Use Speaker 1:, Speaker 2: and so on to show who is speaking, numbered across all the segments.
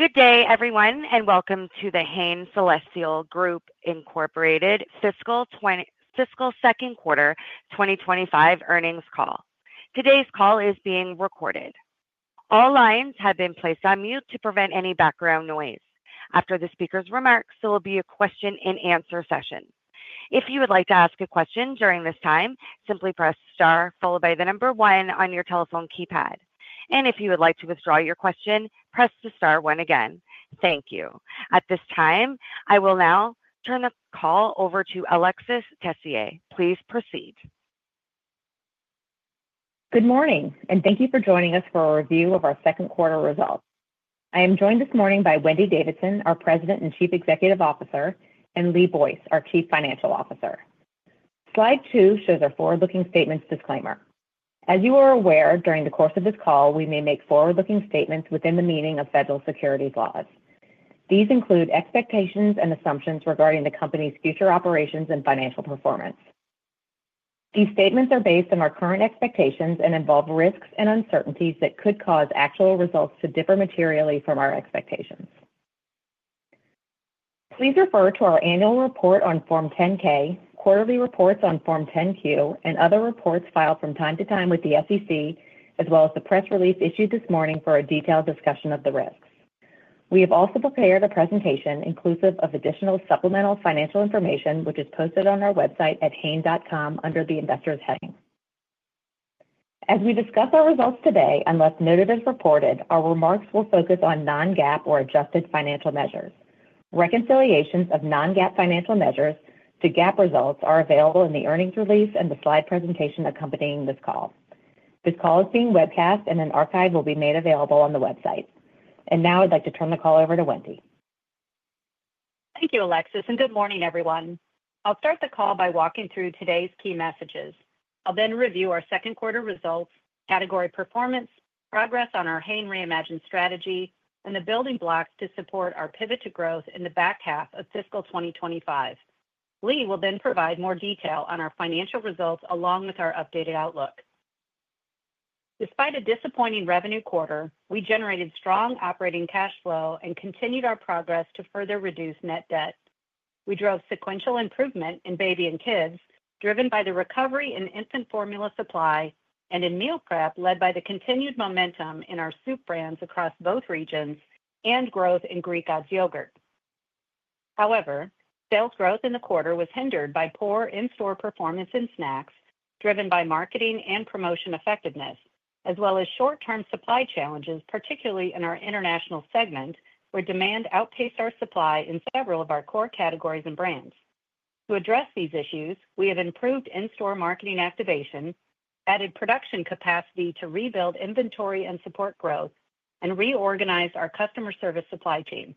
Speaker 1: Good day, everyone, and welcome to the Hain Celestial Group fiscal second quarter 2025 earnings call. Today's call is being recorded. All lines have been placed on mute to prevent any background noise. After the speaker's remarks, there will be a question-and-answer session. If you would like to ask a question during this time, simply press star followed by the number one on your telephone keypad. If you would like to withdraw your question, press the star one again. Thank you. At this time, I will now turn the call over to Alexis Tessier. Please proceed.
Speaker 2: Good morning, and thank you for joining us for a review of our second quarter results. I am joined this morning by Wendy Davidson, our President and Chief Executive Officer, and Lee Boyce, our Chief Financial Officer. Slide two shows our forward-looking statements disclaimer. As you are aware, during the course of this call, we may make forward-looking statements within the meaning of federal securities laws. These include expectations and assumptions regarding the company's future operations and financial performance. These statements are based on our current expectations and involve risks and uncertainties that could cause actual results to differ materially from our expectations. Please refer to our annual report on Form 10-K, quarterly reports on Form 10-Q, and other reports filed from time to time with the SEC, as well as the press release issued this morning for a detailed discussion of the risks. We have also prepared a presentation inclusive of additional supplemental financial information, which is posted on our website at hain.com under the Investors heading. As we discuss our results today, unless noted as reported, our remarks will focus on non-GAAP or adjusted financial measures. Reconciliations of non-GAAP financial measures to GAAP results are available in the earnings release and the slide presentation accompanying this call. This call is being webcast, and an archive will be made available on the website. I would like to turn the call over to Wendy.
Speaker 3: Thank you, Alexis, and good morning, everyone. I'll start the call by walking through today's key messages. I'll then review our second quarter results, category performance, progress on our Hain Reimagined strategy, and the building blocks to support our pivot to growth in the back half of fiscal 2025. Lee will then provide more detail on our financial results along with our updated outlook. Despite a disappointing revenue quarter, we generated strong operating cash flow and continued our progress to further reduce net debt. We drove sequential improvement in baby and kids, driven by the recovery in infant formula supply and in meal prep, led by the continued momentum in our soup brands across both regions and growth in Greek God's yogurt. However, sales growth in the quarter was hindered by poor in-store performance in snacks, driven by marketing and promotion effectiveness, as well as short-term supply challenges, particularly in our international segment where demand outpaced our supply in several of our core categories and brands. To address these issues, we have improved in-store marketing activation, added production capacity to rebuild inventory and support growth, and reorganized our customer service supply chain.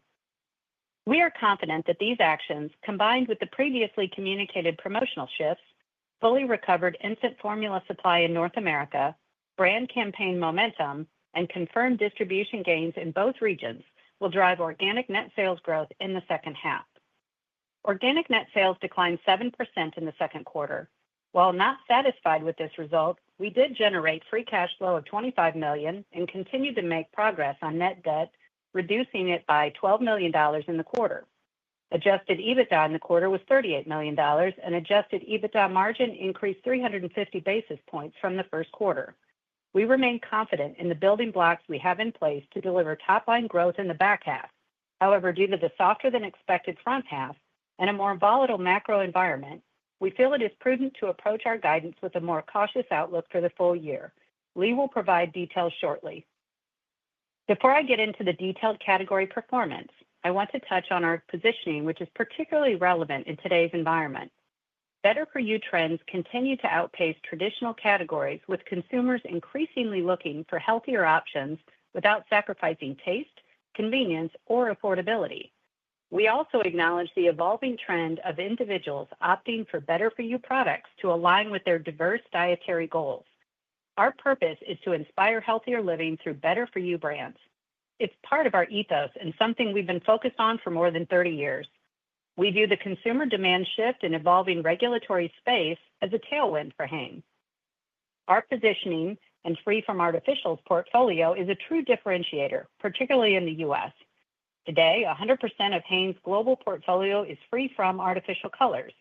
Speaker 3: We are confident that these actions, combined with the previously communicated promotional shifts, fully recovered infant formula supply in North America, brand campaign momentum, and confirmed distribution gains in both regions, will drive organic net sales growth in the second half. Organic net sales declined 7% in the second quarter. While not satisfied with this result, we did generate free cash flow of $25 million and continued to make progress on net debt, reducing it by $12 million in the quarter. Adjusted EBITDA in the quarter was $38 million, and adjusted EBITDA margin increased 350 basis points from the first quarter. We remain confident in the building blocks we have in place to deliver top-line growth in the back half. However, due to the softer-than-expected front half and a more volatile macro environment, we feel it is prudent to approach our guidance with a more cautious outlook for the full year. Lee will provide details shortly. Before I get into the detailed category performance, I want to touch on our positioning, which is particularly relevant in today's environment. Better-for-you trends continue to outpace traditional categories, with consumers increasingly looking for healthier options without sacrificing taste, convenience, or affordability. We also acknowledge the evolving trend of individuals opting for better-for-you products to align with their diverse dietary goals. Our purpose is to inspire healthier living through better-for-you brands. It's part of our ethos and something we've been focused on for more than 30 years. We view the consumer demand shift and evolving regulatory space as a tailwind for Hain. Our positioning and free-from-artificials portfolio is a true differentiator, particularly in the U.S. Today, 100% of Hain's global portfolio is free from artificial colors.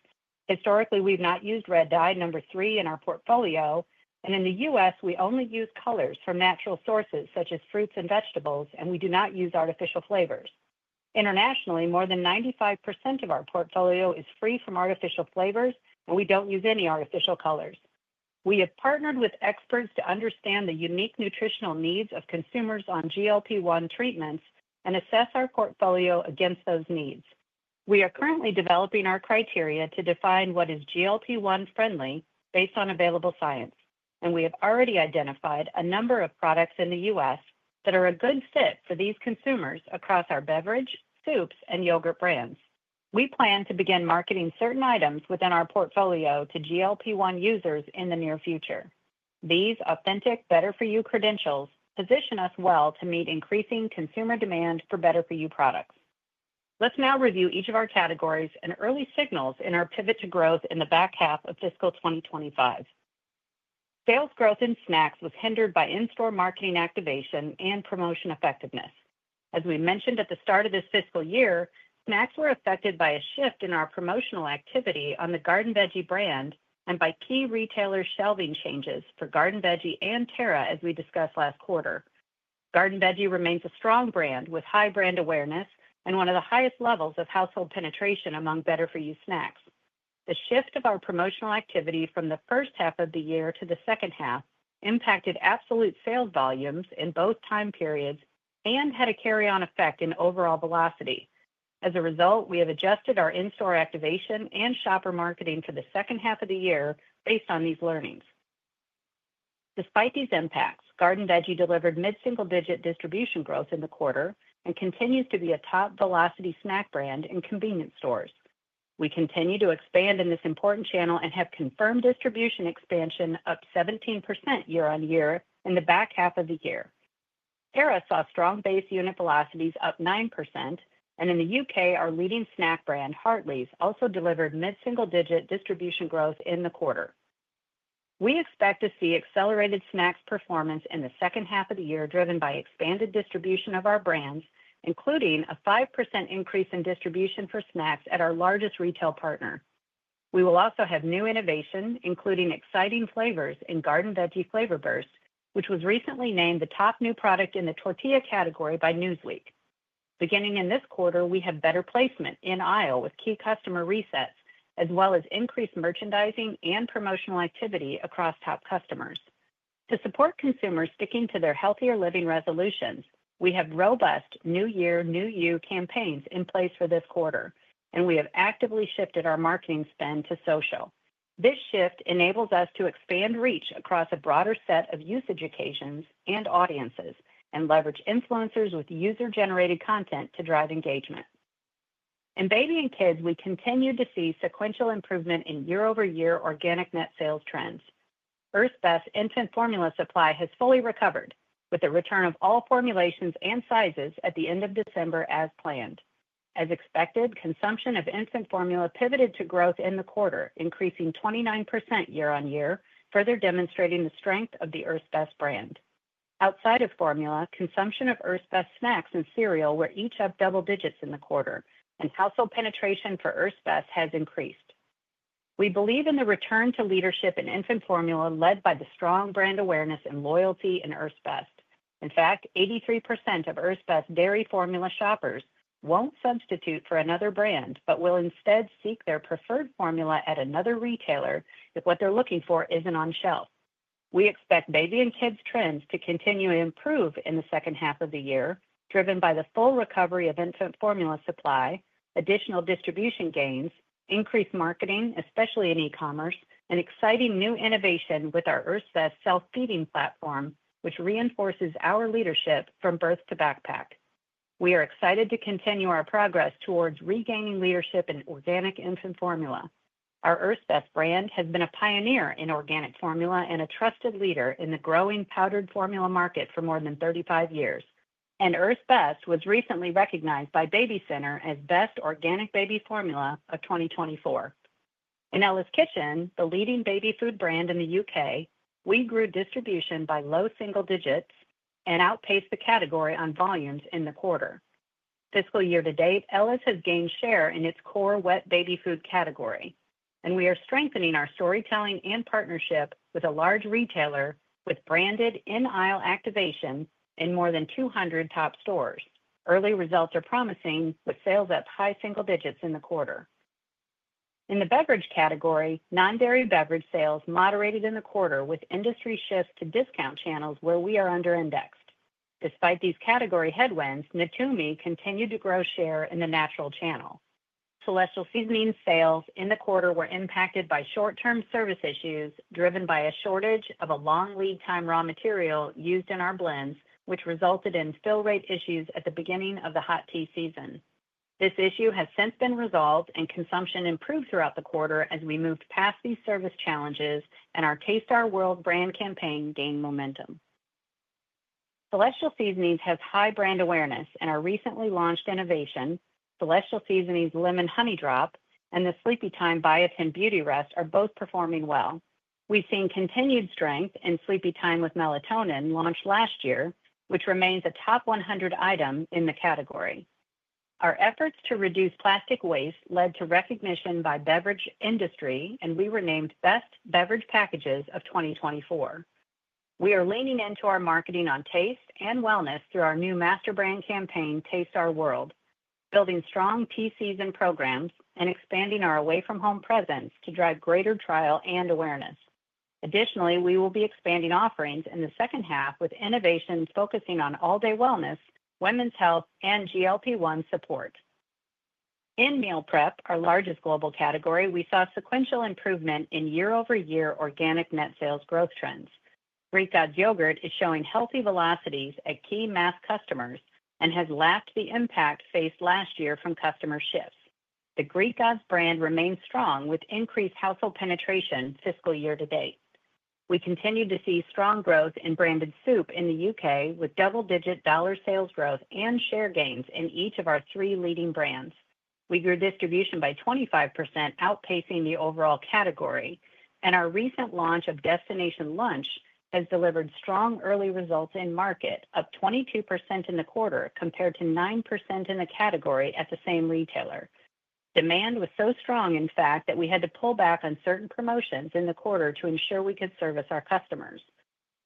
Speaker 3: Historically, we've not used red dye number three in our portfolio, and in the U.S., we only use colors from natural sources such as fruits and vegetables, and we do not use artificial flavors. Internationally, more than 95% of our portfolio is free from artificial flavors, and we don't use any artificial colors. We have partnered with experts to understand the unique nutritional needs of consumers on GLP-1 treatments and assess our portfolio against those needs. We are currently developing our criteria to define what is GLP-1-friendly based on available science, and we have already identified a number of products in the U.S. that are a good fit for these consumers across our beverage, soups, and yogurt brands. We plan to begin marketing certain items within our portfolio to GLP-1 users in the near future. These authentic better-for-you credentials position us well to meet increasing consumer demand for better-for-you products. Let's now review each of our categories and early signals in our pivot to growth in the back half of fiscal 2025. Sales growth in snacks was hindered by in-store marketing activation and promotion effectiveness. As we mentioned at the start of this fiscal year, snacks were affected by a shift in our promotional activity on the Garden Veggie brand and by key retailers' shelving changes for Garden Veggie and Terra, as we discussed last quarter. Garden Veggie remains a strong brand with high brand awareness and one of the highest levels of household penetration among better-for-you snacks. The shift of our promotional activity from the first half of the year to the second half impacted absolute sales volumes in both time periods and had a carry-on effect in overall velocity. As a result, we have adjusted our in-store activation and shopper marketing for the second half of the year based on these learnings. Despite these impacts, Garden Veggie delivered mid-single-digit distribution growth in the quarter and continues to be a top-velocity snack brand in convenience stores. We continue to expand in this important channel and have confirmed distribution expansion up 17% year-on-year in the back half of the year. Terra saw strong base unit velocities up 9%, and in the U.K., our leading snack brand, Hartley's, also delivered mid-single-digit distribution growth in the quarter. We expect to see accelerated snacks performance in the second half of the year, driven by expanded distribution of our brands, including a 5% increase in distribution for snacks at our largest retail partner. We will also have new innovation, including exciting flavors in Garden Veggie Flavor Burst, which was recently named the top new product in the tortilla category by Newsweek. Beginning in this quarter, we have better placement in aisle with key customer resets, as well as increased merchandising and promotional activity across top customers. To support consumers sticking to their healthier living resolutions, we have robust New Year, New You campaigns in place for this quarter, and we have actively shifted our marketing spend to social. This shift enables us to expand reach across a broader set of usage occasions and audiences and leverage influencers with user-generated content to drive engagement. In baby and kids, we continue to see sequential improvement in year-over-year organic net sales trends. Earth's Best infant formula supply has fully recovered, with the return of all formulations and sizes at the end of December as planned. As expected, consumption of infant formula pivoted to growth in the quarter, increasing 29% year-on-year, further demonstrating the strength of the Earth's Best brand. Outside of formula, consumption of Earth's Best snacks and cereal were each up double digits in the quarter, and household penetration for Earth's Best has increased. We believe in the return to leadership in infant formula led by the strong brand awareness and loyalty in Earth's Best. In fact, 83% of Earth's Best dairy formula shoppers will not substitute for another brand, but will instead seek their preferred formula at another retailer if what they are looking for is not on shelf. We expect baby and kids trends to continue to improve in the second half of the year, driven by the full recovery of infant formula supply, additional distribution gains, increased marketing, especially in e-commerce, and exciting new innovation with our Earth's Best self-feeding platform, which reinforces our leadership from birth to backpack. We are excited to continue our progress towards regaining leadership in organic infant formula. Our Earth's Best brand has been a pioneer in organic formula and a trusted leader in the growing powdered formula market for more than 35 years, and Earth's Best was recently recognized by BabyCenter as Best Organic Baby Formula of 2024. In Ella's Kitchen, the leading baby food brand in the U.K., we grew distribution by low single digits and outpaced the category on volumes in the quarter. Fiscal year to date, Ella's has gained share in its core wet baby food category, and we are strengthening our storytelling and partnership with a large retailer with branded in-aisle activation in more than 200 top stores. Early results are promising, with sales at high single digits in the quarter. In the beverage category, non-dairy beverage sales moderated in the quarter with industry shifts to discount channels where we are under-indexed. Despite these category headwinds, Numi continued to grow share in the natural channel. Celestial Seasonings sales in the quarter were impacted by short-term service issues driven by a shortage of a long lead time raw material used in our blends, which resulted in fill rate issues at the beginning of the hot tea season. This issue has since been resolved, and consumption improved throughout the quarter as we moved past these service challenges and our Taste Our World brand campaign gained momentum. Celestial Seasonings has high brand awareness and our recently launched innovation, Celestial Seasonings Lemon Honey Drop, and the Sleepy Time Biotin Beauty Rest are both performing well. We've seen continued strength in Sleepy Time with Melatonin launched last year, which remains a top 100 item in the category. Our efforts to reduce plastic waste led to recognition by Beverage Industry, and we were named Best Beverage Packages of 2024. We are leaning into our marketing on taste and wellness through our new master brand campaign, Taste Our World, building strong tea season programs and expanding our away-from-home presence to drive greater trial and awareness. Additionally, we will be expanding offerings in the second half with innovations focusing on all-day wellness, women's health, and GLP-1 support. In meal prep, our largest global category, we saw sequential improvement in year-over-year organic net sales growth trends. Greek God's yogurt is showing healthy velocities at key mass customers and has lacked the impact faced last year from customer shifts. The Greek God's brand remains strong with increased household penetration fiscal year to date. We continue to see strong growth in branded soup in the U.K., with double-digit dollar sales growth and share gains in each of our three leading brands. We grew distribution by 25%, outpacing the overall category, and our recent launch of Destination Lunch has delivered strong early results in market, up 22% in the quarter compared to 9% in the category at the same retailer. Demand was so strong, in fact, that we had to pull back on certain promotions in the quarter to ensure we could service our customers.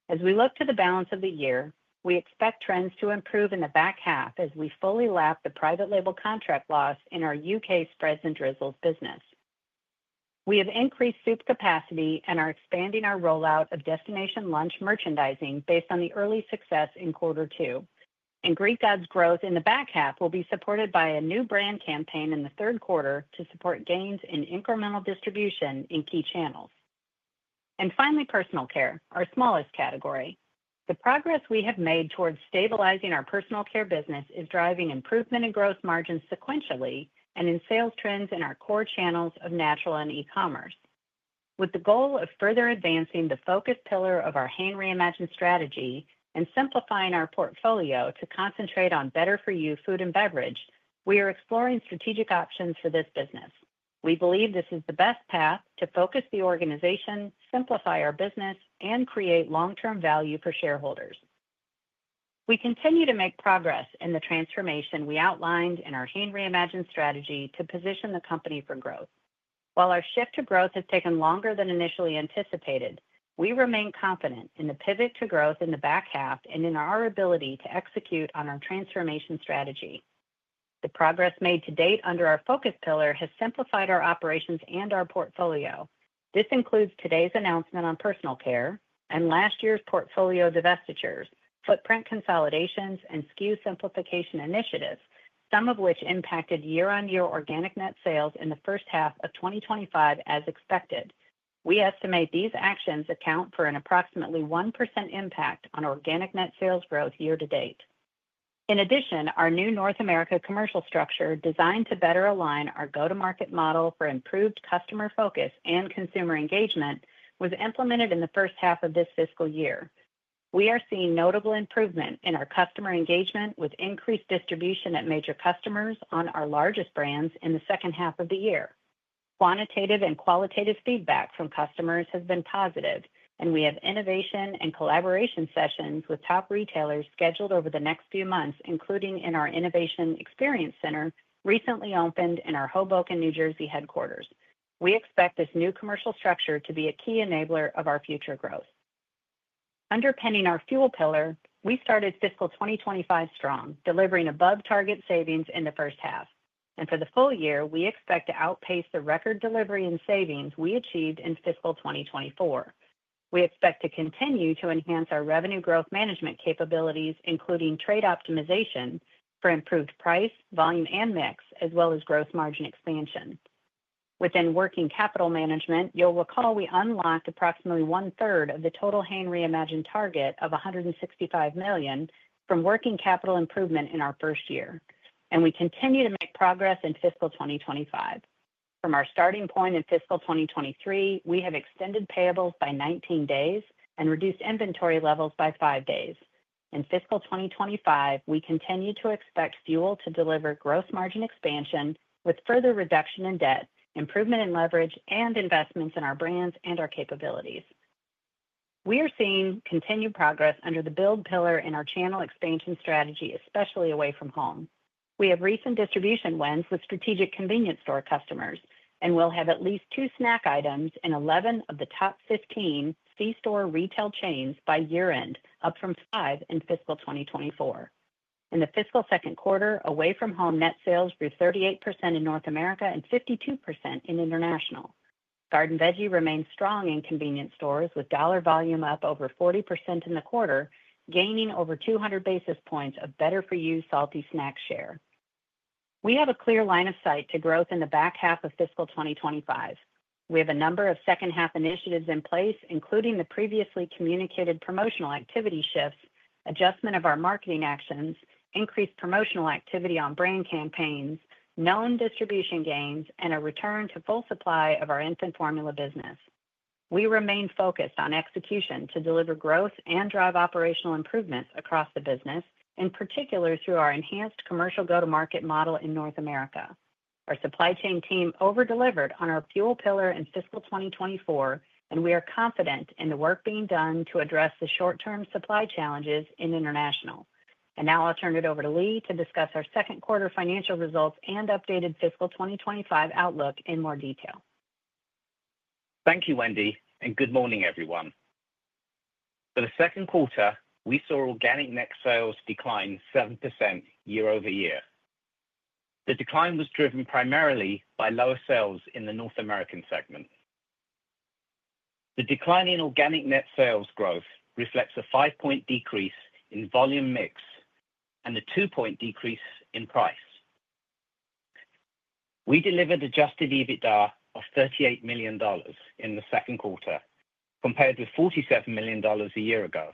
Speaker 3: As we look to the balance of the year, we expect trends to improve in the back half as we fully lap the private label contract loss in our U.K. Spreads and Drizzles business. We have increased soup capacity and are expanding our rollout of Destination Lunch merchandising based on the early success in quarter two. Greek God's growth in the back half will be supported by a new brand campaign in the third quarter to support gains in incremental distribution in key channels. Finally, personal care, our smallest category. The progress we have made towards stabilizing our personal care business is driving improvement in gross margins sequentially and in sales trends in our core channels of natural and e-commerce. With the goal of further advancing the focus pillar of our Hain Reimagined strategy and simplifying our portfolio to concentrate on better-for-you food and beverage, we are exploring strategic options for this business. We believe this is the best path to focus the organization, simplify our business, and create long-term value for shareholders. We continue to make progress in the transformation we outlined in our Hain Reimagined strategy to position the company for growth. While our shift to growth has taken longer than initially anticipated, we remain confident in the pivot to growth in the back half and in our ability to execute on our transformation strategy. The progress made to date under our focus pillar has simplified our operations and our portfolio. This includes today's announcement on personal care and last year's portfolio divestitures, footprint consolidations, and SKU simplification initiatives, some of which impacted year-on-year organic net sales in the first half of 2025 as expected. We estimate these actions account for an approximately 1% impact on organic net sales growth year to date. In addition, our new North America commercial structure designed to better align our go-to-market model for improved customer focus and consumer engagement was implemented in the first half of this fiscal year. We are seeing notable improvement in our customer engagement with increased distribution at major customers on our largest brands in the second half of the year. Quantitative and qualitative feedback from customers has been positive, and we have innovation and collaboration sessions with top retailers scheduled over the next few months, including in our Innovation Experience Center recently opened in our Hoboken, New Jersey headquarters. We expect this new commercial structure to be a key enabler of our future growth. Underpinning our fuel pillar, we started fiscal 2025 strong, delivering above-target savings in the first half. For the full year, we expect to outpace the record delivery and savings we achieved in fiscal 2024. We expect to continue to enhance our revenue growth management capabilities, including trade optimization for improved price, volume, and mix, as well as growth margin expansion. Within working capital management, you'll recall we unlocked approximately one-third of the total Hain Reimagined target of $165 million from working capital improvement in our first year, and we continue to make progress in fiscal 2025. From our starting point in fiscal 2023, we have extended payables by 19 days and reduced inventory levels by five days. In fiscal 2025, we continue to expect fuel to deliver gross margin expansion with further reduction in debt, improvement in leverage, and investments in our brands and our capabilities. We are seeing continued progress under the build pillar in our channel expansion strategy, especially away from home. We have recent distribution wins with strategic convenience store customers and will have at least two snack items in 11 of the top 15 c-store retail chains by year-end, up from five in fiscal 2024. In the fiscal second quarter, away from home net sales grew 38% in North America and 52% in international. Garden Veggie remains strong in convenience stores with dollar volume up over 40% in the quarter, gaining over 200 basis points of better-for-you salty snack share. We have a clear line of sight to growth in the back half of fiscal 2025. We have a number of second-half initiatives in place, including the previously communicated promotional activity shifts, adjustment of our marketing actions, increased promotional activity on brand campaigns, known distribution gains, and a return to full supply of our infant formula business. We remain focused on execution to deliver growth and drive operational improvements across the business, in particular through our enhanced commercial go-to-market model in North America. Our supply chain team over-delivered on our fuel pillar in fiscal 2024, and we are confident in the work being done to address the short-term supply challenges in international. Now I'll turn it over to Lee to discuss our second quarter financial results and updated fiscal 2025 outlook in more detail.
Speaker 4: Thank you, Wendy, and good morning, everyone. For the second quarter, we saw organic net sales decline 7% year-over-year. The decline was driven primarily by lower sales in the North American segment. The decline in organic net sales growth reflects a five-point decrease in volume mix and a two-point decrease in price. We delivered adjusted EBITDA of $38 million in the second quarter, compared with $47 million a year ago.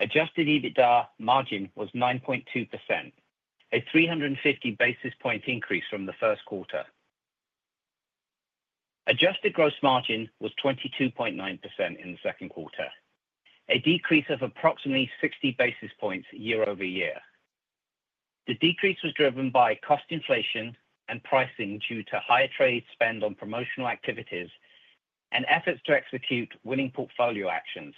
Speaker 4: Adjusted EBITDA margin was 9.2%, a 350 basis point increase from the first quarter. Adjusted gross margin was 22.9% in the second quarter, a decrease of approximately 60 basis points year-over-year. The decrease was driven by cost inflation and pricing due to higher trade spend on promotional activities and efforts to execute winning portfolio actions,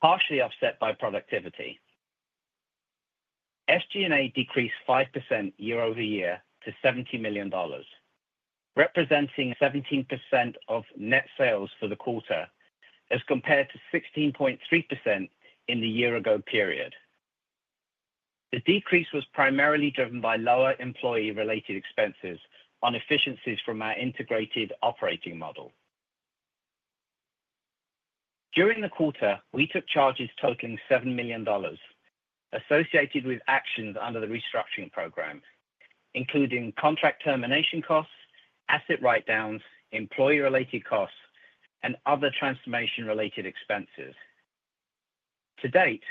Speaker 4: partially offset by productivity. SG&A decreased 5% year-over-year to $70 million, representing 17% of net sales for the quarter as compared to 16.3% in the year-ago period. The decrease was primarily driven by lower employee-related expenses on efficiencies from our integrated operating model. During the quarter, we took charges totaling $7 million associated with actions under the restructuring program, including contract termination costs, asset write-downs, employee-related costs, and other transformation-related expenses. To date,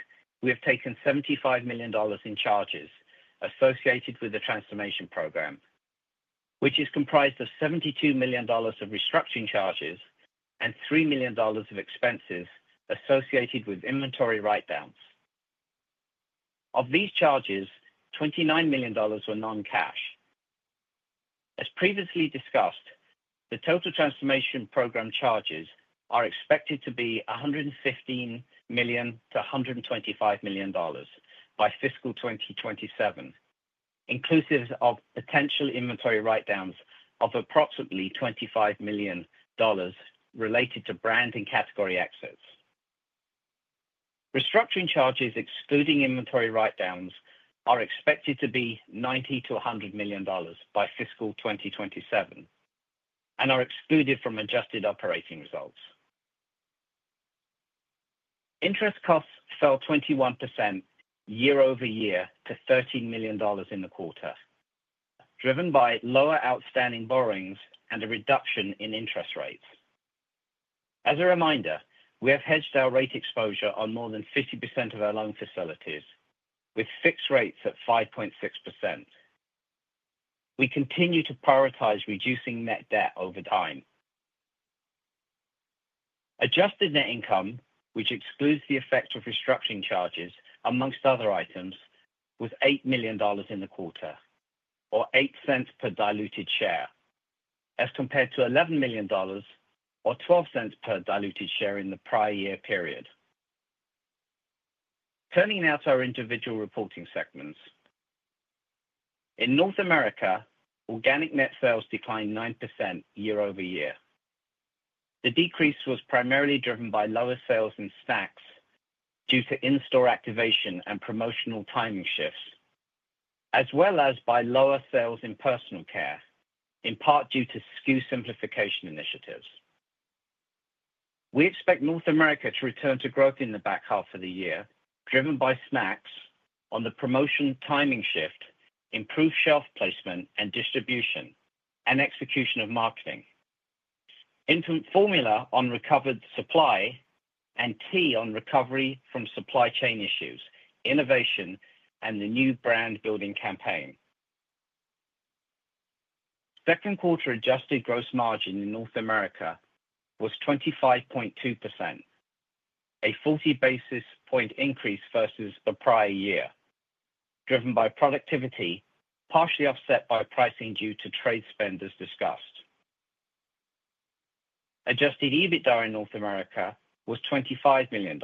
Speaker 4: we have taken $75 million in charges associated with the transformation program, which is comprised of $72 million of restructuring charges and $3 million of expenses associated with inventory write-downs. Of these charges, $29 million were non-cash. As previously discussed, the total transformation program charges are expected to be $115 million-$125 million by fiscal 2027, inclusive of potential inventory write-downs of approximately $25 million related to brand and category exits. Restructuring charges excluding inventory write-downs are expected to be $90 million-$100 million by fiscal 2027 and are excluded from adjusted operating results. Interest costs fell 21% year-over-year to $13 million in the quarter, driven by lower outstanding borrowings and a reduction in interest rates. As a reminder, we have hedged our rate exposure on more than 50% of our loan facilities with fixed rates at 5.6%. We continue to prioritize reducing net debt over time. Adjusted net income, which excludes the effect of restructuring charges amongst other items, was $8 million in the quarter, or $0.08 per diluted share, as compared to $11 million or $0.12 per diluted share in the prior year period. Turning now to our individual reporting segments. In North America, organic net sales declined 9% year-over-year. The decrease was primarily driven by lower sales in snacks due to in-store activation and promotional timing shifts, as well as by lower sales in personal care, in part due to SKU simplification initiatives. We expect North America to return to growth in the back half of the year, driven by snacks on the promotion timing shift, improved shelf placement and distribution, and execution of marketing. Input formula on recovered supply and key on recovery from supply chain issues, innovation, and the new brand-building campaign. Second quarter adjusted gross margin in North America was 25.2%, a 40 basis point increase versus the prior year, driven by productivity, partially offset by pricing due to trade spend as discussed. Adjusted EBITDA in North America was $25 million,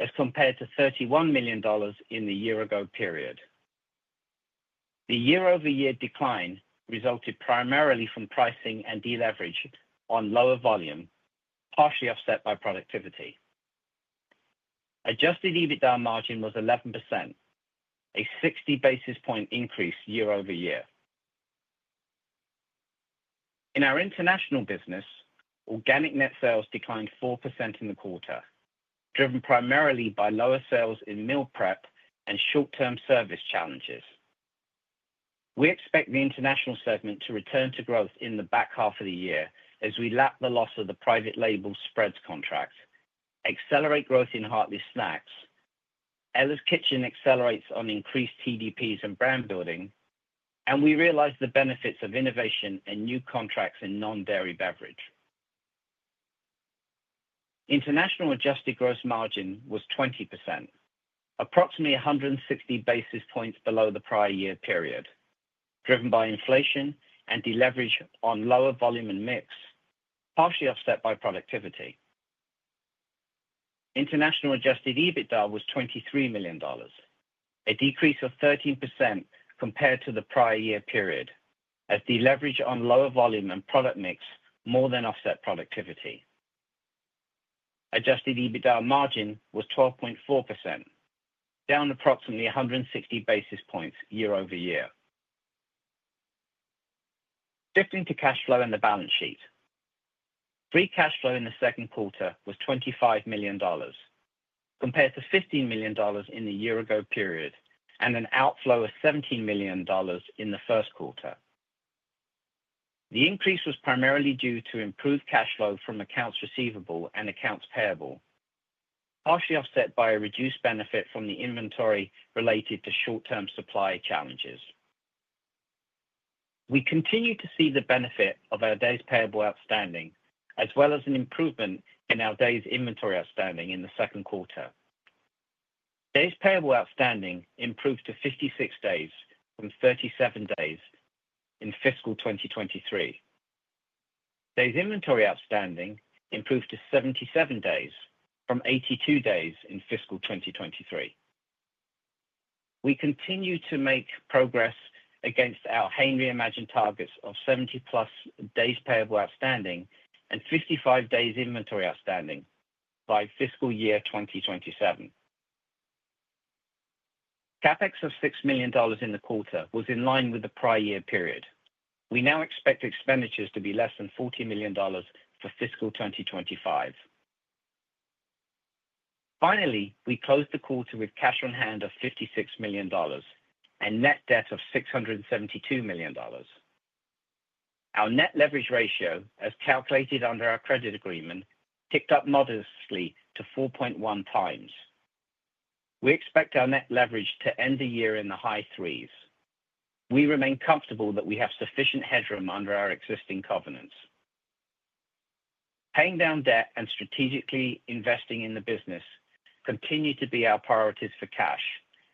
Speaker 4: as compared to $31 million in the year-ago period. The year-over-year decline resulted primarily from pricing and deleveraging on lower volume, partially offset by productivity. Adjusted EBITDA margin was 11%, a 60 basis point increase year-over-year. In our international business, organic net sales declined 4% in the quarter, driven primarily by lower sales in meal prep and short-term service challenges. We expect the international segment to return to growth in the back half of the year as we lap the loss of the private label spreads contract, accelerate growth in Hartley's snacks, Ella's Kitchen accelerates on increased TDPs and brand building, and we realize the benefits of innovation and new contracts in non-dairy beverage. International adjusted gross margin was 20%, approximately 160 basis points below the prior year period, driven by inflation and deleveraging on lower volume and mix, partially offset by productivity. International adjusted EBITDA was $23 million, a decrease of 13% compared to the prior year period, as deleveraging on lower volume and product mix more than offset productivity. Adjusted EBITDA margin was 12.4%, down approximately 160 basis points year-over-year. Shifting to cash flow and the balance sheet. Free cash flow in the second quarter was $25 million, compared to $15 million in the year-ago period and an outflow of $17 million in the first quarter. The increase was primarily due to improved cash flow from accounts receivable and accounts payable, partially offset by a reduced benefit from the inventory related to short-term supply challenges. We continue to see the benefit of our days payable outstanding, as well as an improvement in our days inventory outstanding in the second quarter. Days payable outstanding improved to 56 days from 37 days in fiscal 2023. Days inventory outstanding improved to 77 days from 82 days in fiscal 2023. We continue to make progress against our Hain Reimagined targets of 70+ days payable outstanding and 55 days inventory outstanding by fiscal year 2027. CapEx of $6 million in the quarter was in line with the prior year period. We now expect expenditures to be less than $40 million for fiscal 2025. Finally, we closed the quarter with cash on hand of $56 million and net debt of $672 million. Our net leverage ratio, as calculated under our credit agreement, ticked up modestly to 4.1x. We expect our net leverage to end the year in the high threes. We remain comfortable that we have sufficient headroom under our existing covenants. Paying down debt and strategically investing in the business continue to be our priorities for cash,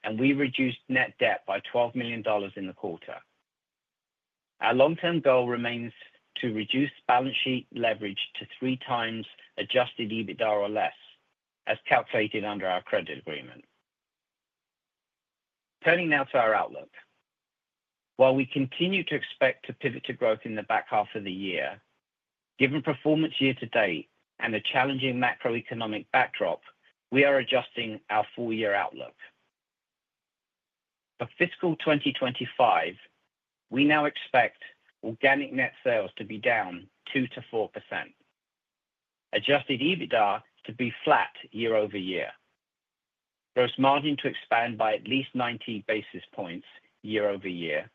Speaker 4: and we reduced net debt by $12 million in the quarter. Our long-term goal remains to reduce balance sheet leverage to three times adjusted EBITDA or less, as calculated under our credit agreement. Turning now to our outlook. While we continue to expect to pivot to growth in the back half of the year, given performance year-to-date and a challenging macroeconomic backdrop, we are adjusting our full-year outlook. For fiscal 2025, we now expect organic net sales to be down 2%-4%, adjusted EBITDA to be flat year-over-year, gross margin to expand by at least 90 basis points year-over-year,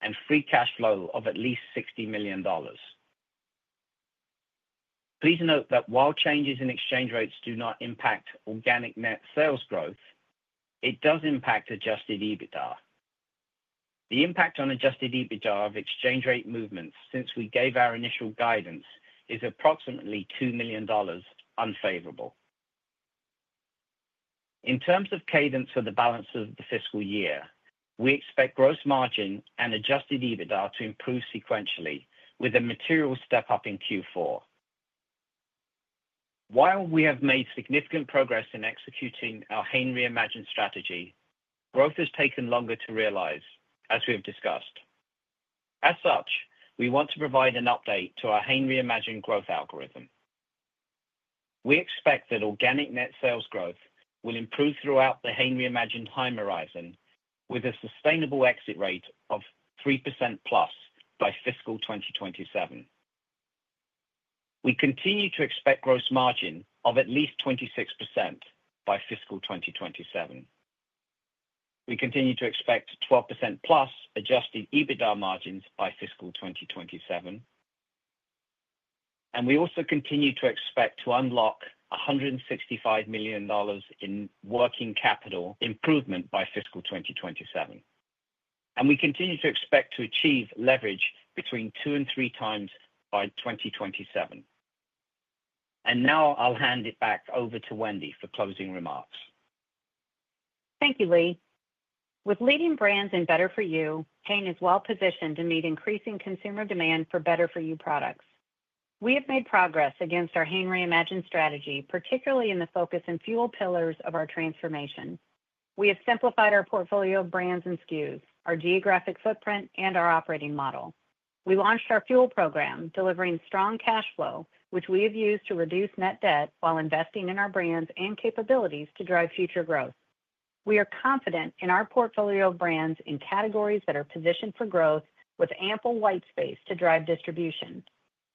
Speaker 4: and free cash flow of at least $60 million. Please note that while changes in exchange rates do not impact organic net sales growth, it does impact adjusted EBITDA. The impact on adjusted EBITDA of exchange rate movements since we gave our initial guidance is approximately $2 million unfavorable. In terms of cadence for the balance of the fiscal year, we expect gross margin and adjusted EBITDA to improve sequentially, with a material step up in Q4. While we have made significant progress in executing our Hain Reimagined strategy, growth has taken longer to realize, as we have discussed. As such, we want to provide an update to our Hain Reimagined growth algorithm. We expect that organic net sales growth will improve throughout the Hain Reimagined time horizon, with a sustainable exit rate of 3%+ by fiscal 2027. We continue to expect gross margin of at least 26% by fiscal 2027. We continue to expect 12%+ adjusted EBITDA margins by fiscal 2027. We also continue to expect to unlock $165 million in working capital improvement by fiscal 2027. We continue to expect to achieve leverage between two and three times by 2027. Now I'll hand it back over to Wendy for closing remarks.
Speaker 3: Thank you, Lee. With leading brands in Better-for-you, Hain is well-positioned to meet increasing consumer demand for Better-for-you products. We have made progress against our Hain Reimagined strategy, particularly in the focus and fuel pillars of our transformation. We have simplified our portfolio of brands and SKUs, our geographic footprint, and our operating model. We launched our fuel program, delivering strong cash flow, which we have used to reduce net debt while investing in our brands and capabilities to drive future growth. We are confident in our portfolio of brands in categories that are positioned for growth, with ample white space to drive distribution.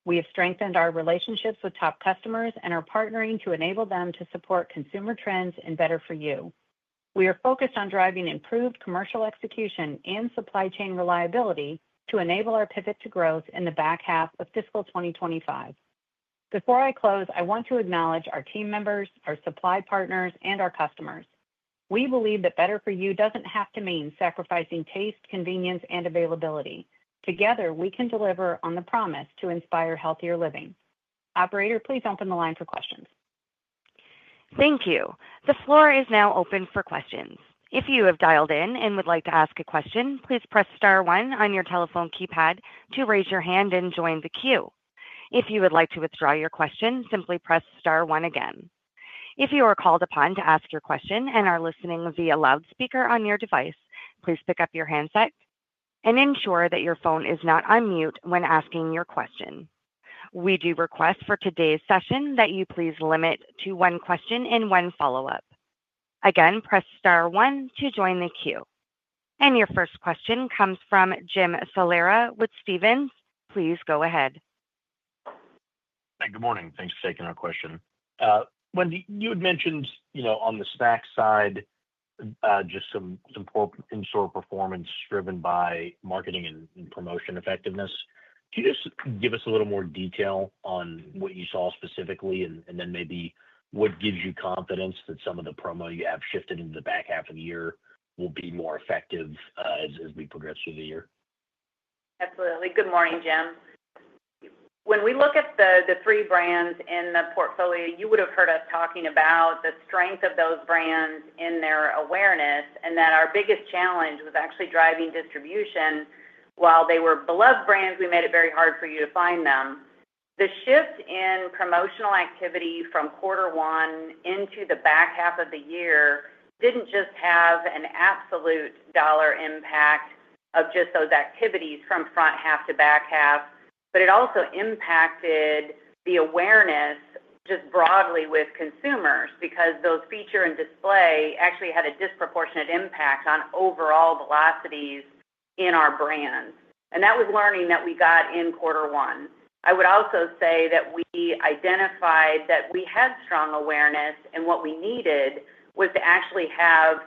Speaker 3: We have strengthened our relationships with top customers and are partnering to enable them to support consumer trends in Better-for-you. We are focused on driving improved commercial execution and supply chain reliability to enable our pivot to growth in the back half of fiscal 2025. Before I close, I want to acknowledge our team members, our supply partners, and our customers. We believe that Better-for-you does not have to mean sacrificing taste, convenience, and availability. Together, we can deliver on the promise to inspire healthier living. Operator, please open the line for questions.
Speaker 1: Thank you. The floor is now open for questions. If you have dialed in and would like to ask a question, please press star one on your telephone keypad to raise your hand and join the queue. If you would like to withdraw your question, simply press star one again. If you are called upon to ask your question and are listening via loudspeaker on your device, please pick up your handset and ensure that your phone is not on mute when asking your question. We do request for today's session that you please limit to one question and one follow-up. Again, press star one to join the queue. Your first question comes from Jim Salera with Stephens. Please go ahead.
Speaker 5: Hi, good morning. Thanks for taking our question. Wendy, you had mentioned on the snack side just some in-store performance driven by marketing and promotion effectiveness. Can you just give us a little more detail on what you saw specifically and then maybe what gives you confidence that some of the promo you have shifted into the back half of the year will be more effective as we progress through the year?
Speaker 3: Absolutely. Good morning, Jim. When we look at the three brands in the portfolio, you would have heard us talking about the strength of those brands in their awareness and that our biggest challenge was actually driving distribution. While they were beloved brands, we made it very hard for you to find them. The shift in promotional activity from quarter one into the back half of the year did not just have an absolute dollar impact of just those activities from front half to back half, but it also impacted the awareness just broadly with consumers because those feature and display actually had a disproportionate impact on overall velocities in our brands. That was learning that we got in quarter one. I would also say that we identified that we had strong awareness, and what we needed was to actually have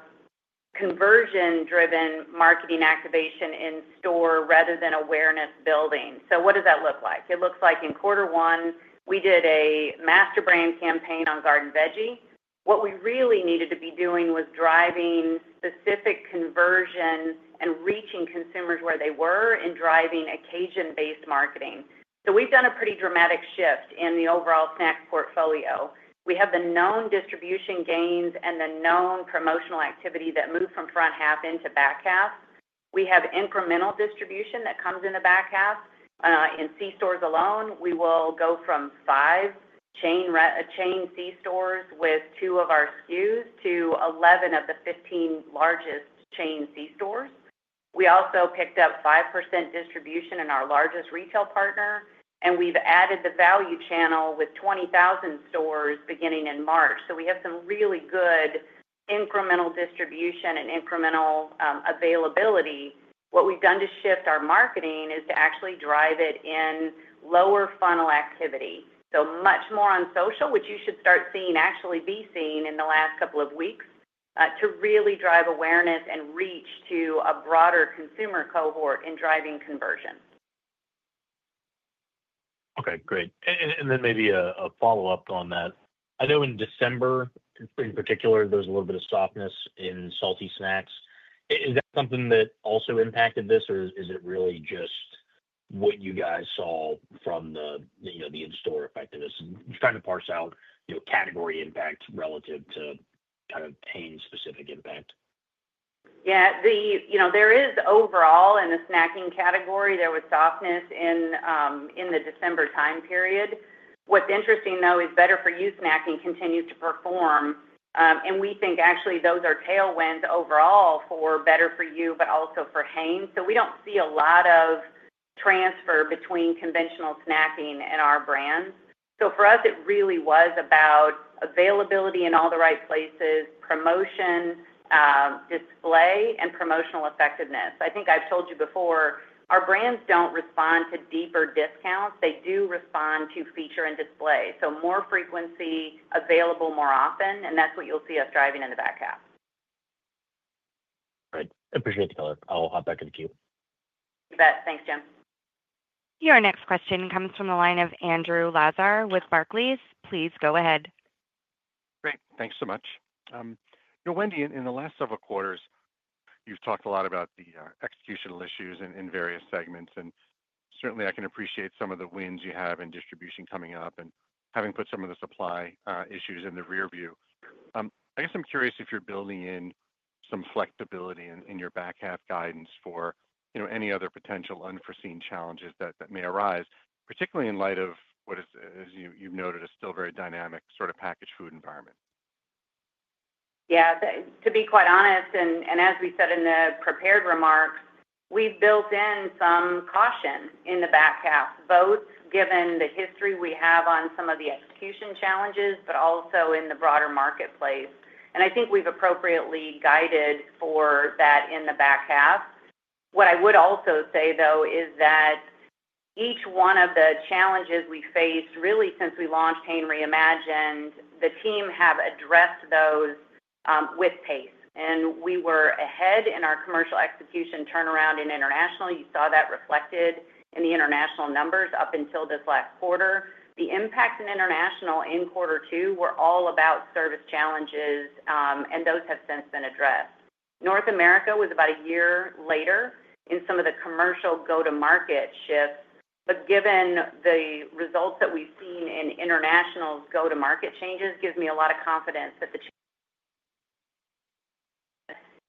Speaker 3: conversion-driven marketing activation in store rather than awareness building. What does that look like? It looks like in quarter one, we did a master brand campaign on Garden Veggie. What we really needed to be doing was driving specific conversion and reaching consumers where they were and driving occasion-based marketing. We have done a pretty dramatic shift in the overall snack portfolio. We have the known distribution gains and the known promotional activity that moved from front half into back half. We have incremental distribution that comes in the back half. In C stores alone, we will go from five chain C stores with two of our SKUs to 11 of the 15 largest chain C stores. We also picked up 5% distribution in our largest retail partner, and we have added the value channel with 20,000 stores beginning in March. We have some really good incremental distribution and incremental availability. What we have done to shift our marketing is to actually drive it in lower funnel activity. Much more on social, which you should start seeing actually be seen in the last couple of weeks, to really drive awareness and reach to a broader consumer cohort in driving conversion.
Speaker 5: Okay, great. Maybe a follow-up on that. I know in December, in particular, there was a little bit of softness in salty snacks. Is that something that also impacted this, or is it really just what you guys saw from the in-store effectiveness? I'm trying to parse out category impact relative to kind of Hain-specific impact.
Speaker 3: Yeah, there is overall in the snacking category. There was softness in the December time period. What's interesting, though, is Better-for-you snacking continues to perform. We think actually those are tailwinds overall for Better-for-you, but also for Hain. We do not see a lot of transfer between conventional snacking and our brands. For us, it really was about availability in all the right places, promotion, display, and promotional effectiveness. I think I've told you before, our brands do not respond to deeper discounts. They do respond to feature and display. More frequency, available more often, and that's what you'll see us driving in the back half.
Speaker 5: All right. I appreciate the color. I'll hop back in the queue.
Speaker 3: Thanks, Jim.
Speaker 1: Your next question comes from the line of Andrew Lazar with Barclays. Please go ahead.
Speaker 6: Great. Thanks so much. Wendy, in the last several quarters, you've talked a lot about the executional issues in various segments. Certainly, I can appreciate some of the wins you have in distribution coming up and having put some of the supply issues in the rearview. I guess I'm curious if you're building in some flexibility in your back half guidance for any other potential unforeseen challenges that may arise, particularly in light of what is, as you've noted, a still very dynamic sort of packaged food environment.
Speaker 3: Yeah. To be quite honest, and as we said in the prepared remarks, we've built in some caution in the back half, both given the history we have on some of the execution challenges, but also in the broader marketplace. I think we've appropriately guided for that in the back half. What I would also say, though, is that each one of the challenges we faced, really since we launched Hain Reimagined, the team have addressed those with pace. We were ahead in our commercial execution turnaround in international. You saw that reflected in the international numbers up until this last quarter. The impact in international in quarter two were all about service challenges, and those have since been addressed. North America was about a year later in some of the commercial go-to-market shifts. Given the results that we've seen in international's go-to-market changes, it gives me a lot of confidence that the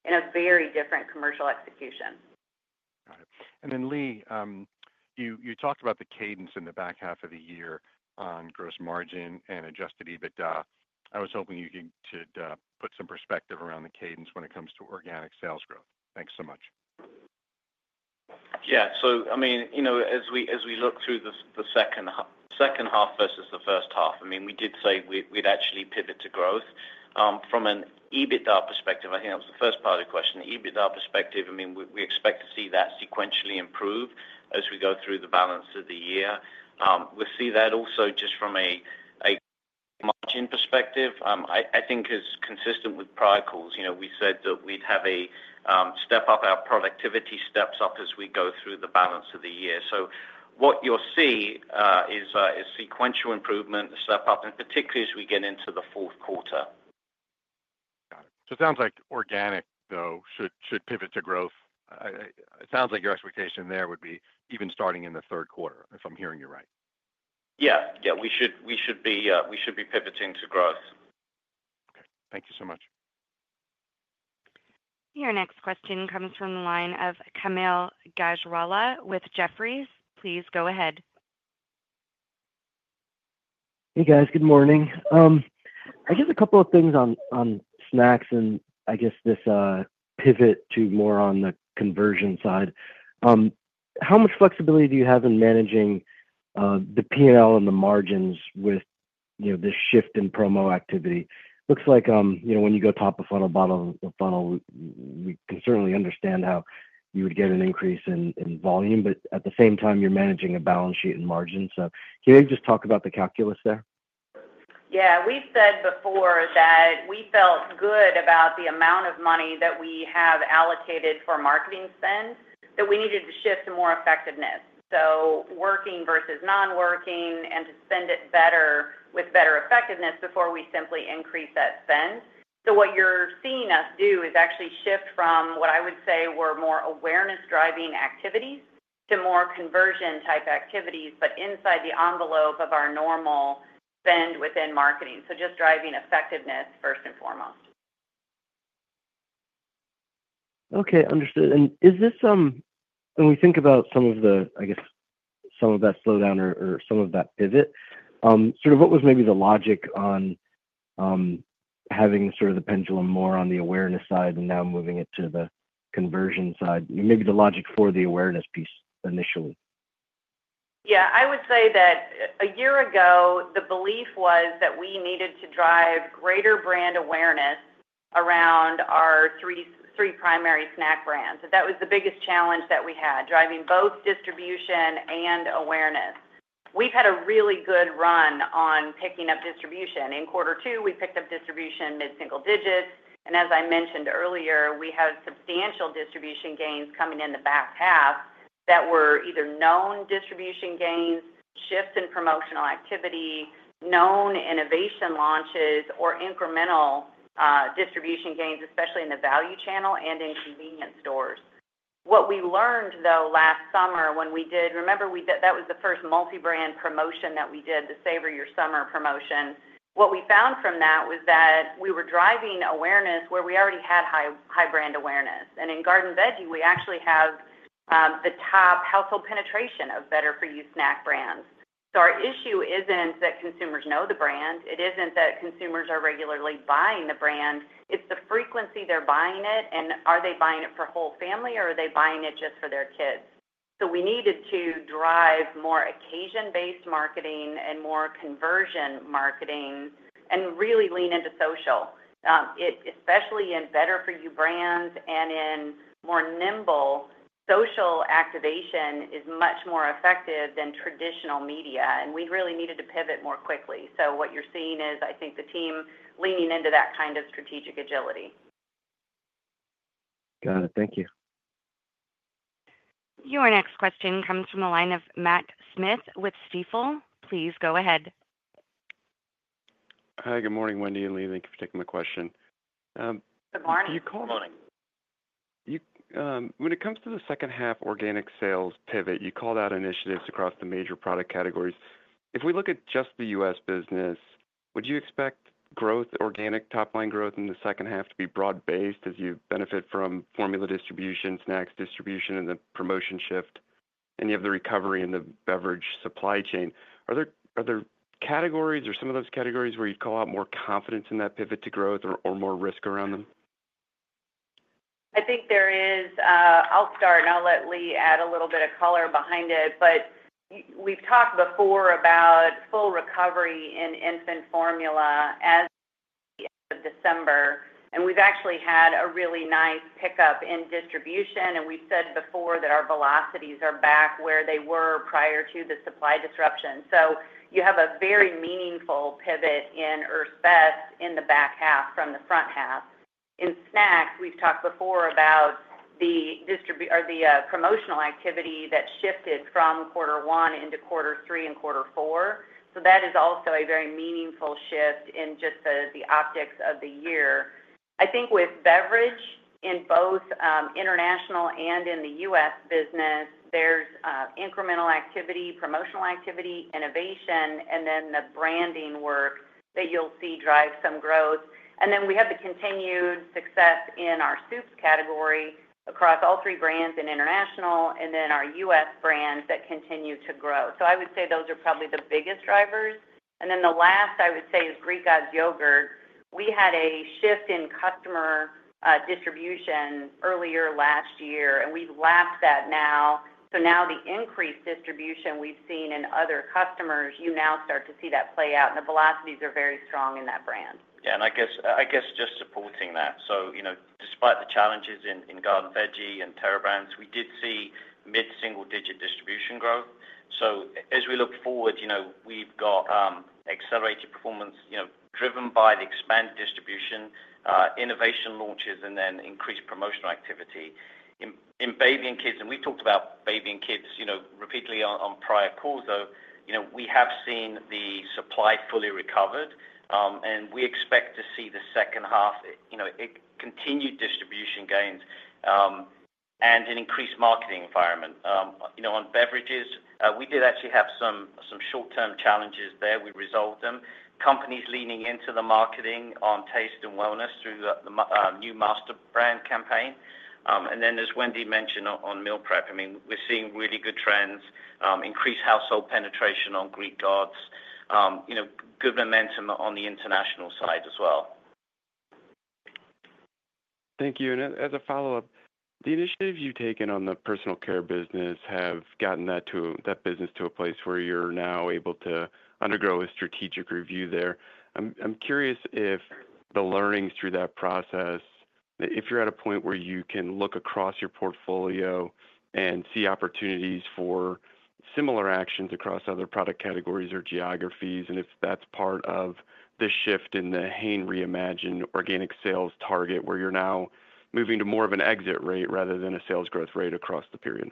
Speaker 3: challenges in a very different commercial execution.
Speaker 6: Got it. Lee, you talked about the cadence in the back half of the year on gross margin and adjusted EBITDA. I was hoping you could put some perspective around the cadence when it comes to organic sales growth. Thanks so much.
Speaker 4: Yeah. As we look through the second half versus the first half, we did say we'd actually pivot to growth. From an EBITDA perspective, I think that was the first part of the question. The EBITDA perspective, we expect to see that sequentially improve as we go through the balance of the year. We see that also just from a margin perspective, I think is consistent with prior calls. We said that we'd have a step up, our productivity steps up as we go through the balance of the year. What you'll see is sequential improvement, a step up, and particularly as we get into the fourth quarter.
Speaker 6: Got it. It sounds like organic, though, should pivot to growth. It sounds like your expectation there would be even starting in the third quarter, if I'm hearing you right.
Speaker 4: Yeah. Yeah. We should be pivoting to growth.
Speaker 6: Okay. Thank you so much.
Speaker 1: Your next question comes from the line of Kaumil Gajrawala with Jefferies. Please go ahead.
Speaker 7: Hey, guys. Good morning. I guess a couple of things on snacks and I guess this pivot to more on the conversion side. How much flexibility do you have in managing the P&L and the margins with this shift in promo activity? Looks like when you go top of funnel, bottom of funnel, we can certainly understand how you would get an increase in volume, but at the same time, you're managing a balance sheet and margin. Can you just talk about the calculus there?
Speaker 3: Yeah. We've said before that we felt good about the amount of money that we have allocated for marketing spend, that we needed to shift to more effectiveness. Working versus non-working and to spend it better with better effectiveness before we simply increase that spend. What you're seeing us do is actually shift from what I would say were more awareness-driving activities to more conversion-type activities, but inside the envelope of our normal spend within marketing. Just driving effectiveness first and foremost.
Speaker 7: Okay. Understood. When we think about some of the, I guess, some of that slowdown or some of that pivot, sort of what was maybe the logic on having sort of the pendulum more on the awareness side and now moving it to the conversion side? Maybe the logic for the awareness piece initially.
Speaker 3: Yeah. I would say that a year ago, the belief was that we needed to drive greater brand awareness around our three primary snack brands. That was the biggest challenge that we had, driving both distribution and awareness. We've had a really good run on picking up distribution. In quarter two, we picked up distribution mid-single digits. As I mentioned earlier, we had substantial distribution gains coming in the back half that were either known distribution gains, shifts in promotional activity, known innovation launches, or incremental distribution gains, especially in the value channel and in convenience stores. What we learned, though, last summer when we did—remember, that was the first multi-brand promotion that we did, the Savor Your Summer promotion. What we found from that was that we were driving awareness where we already had high brand awareness. In Garden Veggie, we actually have the top household penetration of better-for-you snack brands. Our issue is not that consumers know the brand. It is not that consumers are regularly buying the brand. It is the frequency they are buying it, and are they buying it for the whole family, or are they buying it just for their kids? We needed to drive more occasion-based marketing and more conversion marketing and really lean into social. Especially in Better-for-you brands and in more nimble social activation is much more effective than traditional media. We really needed to pivot more quickly. What you're seeing is, I think, the team leaning into that kind of strategic agility.
Speaker 7: Got it. Thank you.
Speaker 1: Your next question comes from the line of Matt Smith with Stifel. Please go ahead.
Speaker 8: Hi. Good morning, Wendy and Lee. Thank you for taking my question.
Speaker 4: Good morning.
Speaker 3: Good morning.
Speaker 8: When it comes to the second half organic sales pivot, you called out initiatives across the major product categories. If we look at just the U.S. business, would you expect organic top-line growth in the second half to be broad-based as you benefit from formula distribution, snacks distribution, and the promotion shift, and you have the recovery in the beverage supply chain? Are there categories or some of those categories where you'd call out more confidence in that pivot to growth or more risk around them?
Speaker 3: I think there is. I'll start, and I'll let Lee add a little bit of color behind it. We've talked before about full recovery in infant formula as of December. We've actually had a really nice pickup in distribution. We've said before that our velocities are back where they were prior to the supply disruption. You have a very meaningful pivot in Earth's Best in the back half from the front half. In snacks, we've talked before about the promotional activity that shifted from quarter one into quarter three and quarter four. That is also a very meaningful shift in just the optics of the year. I think with beverage in both international and in the U.S. business, there's incremental activity, promotional activity, innovation, and then the branding work that you'll see drive some growth. We have the continued success in our soups category across all three brands in international and then our U.S. brands that continue to grow. I would say those are probably the biggest drivers. The last I would say is Greek God's Yogurt. We had a shift in customer distribution earlier last year, and we've lapped that now. Now the increased distribution we've seen in other customers, you now start to see that play out. The velocities are very strong in that brand.
Speaker 4: Yeah. I guess just supporting that. Despite the challenges in Garden Veggie and Terra brands, we did see mid-single digit distribution growth. As we look forward, we have got accelerated performance driven by the expanded distribution, innovation launches, and then increased promotional activity. In baby and kids, and we have talked about baby and kids repeatedly on prior calls, though, we have seen the supply fully recovered. We expect to see the second half continue distribution gains and an increased marketing environment. On beverages, we did actually have some short-term challenges there. We resolved them. The company is leaning into the marketing on taste and wellness through the new master brand campaign. As Wendy mentioned on meal prep, I mean, we are seeing really good trends, increased household penetration on Greek God's, good momentum on the international side as well.
Speaker 8: Thank you. As a follow-up, the initiatives you've taken on the personal care business have gotten that business to a place where you're now able to undergo a strategic review there. I'm curious if the learnings through that process, if you're at a point where you can look across your portfolio and see opportunities for similar actions across other product categories or geographies, and if that's part of the shift in the Hain Reimagined organic sales target where you're now moving to more of an exit rate rather than a sales growth rate across the period.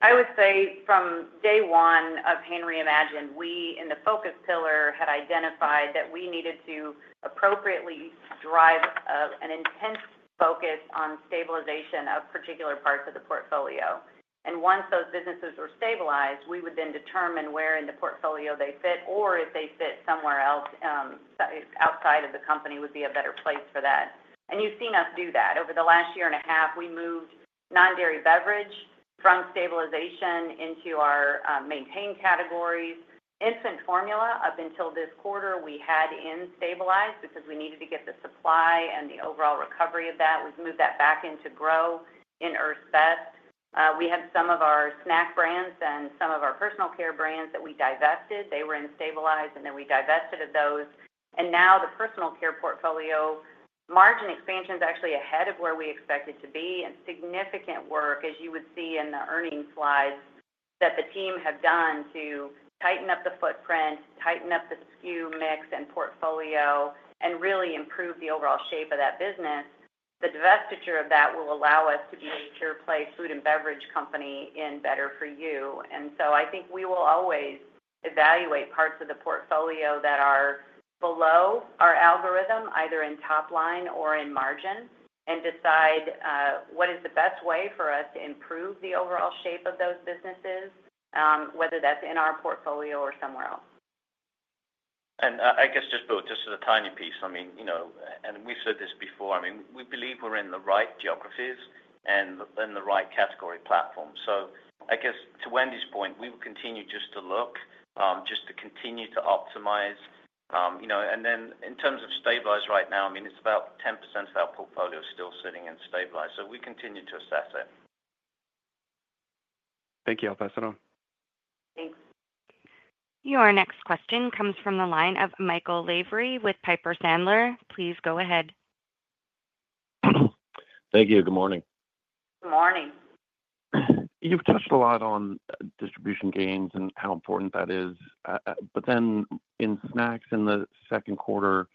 Speaker 3: I would say from day one of Hain Reimagined, we in the focus pillar had identified that we needed to appropriately drive an intense focus on stabilization of particular parts of the portfolio. Once those businesses were stabilized, we would then determine where in the portfolio they fit, or if they fit somewhere else outside of the company would be a better place for that. You have seen us do that. Over the last year and a half, we moved non-dairy beverage from stabilization into our maintain categories. Infant formula, up until this quarter, we had in stabilized because we needed to get the supply and the overall recovery of that. We have moved that back into grow in Earth's Best. We had some of our snack brands and some of our personal care brands that we divested. They were in stabilized, and then we divested of those. Now the personal care portfolio margin expansion is actually ahead of where we expected to be. Significant work, as you would see in the earnings slides, that the team have done to tighten up the footprint, tighten up the SKU mix and portfolio, and really improve the overall shape of that business. The divestiture of that will allow us to be a mature place food and beverage company in Better4U. I think we will always evaluate parts of the portfolio that are below our algorithm, either in top line or in margin, and decide what is the best way for us to improve the overall shape of those businesses, whether that's in our portfolio or somewhere else.
Speaker 4: I guess just a tiny piece. I mean, and we've said this before. I mean, we believe we're in the right geographies and in the right category platform. I guess to Wendy's point, we will continue just to look, just to continue to optimize. In terms of stabilize right now, I mean, it's about 10% of our portfolio still sitting in stabilize. We continue to assess it.
Speaker 8: Thank you. I'll pass it on.
Speaker 4: Thanks.
Speaker 1: Your next question comes from the line of Michael Lavery with Piper Sandler. Please go ahead.
Speaker 9: Thank you. Good morning. Good morning. You've touched a lot on distribution gains and how important that is. In snacks in the second quarter,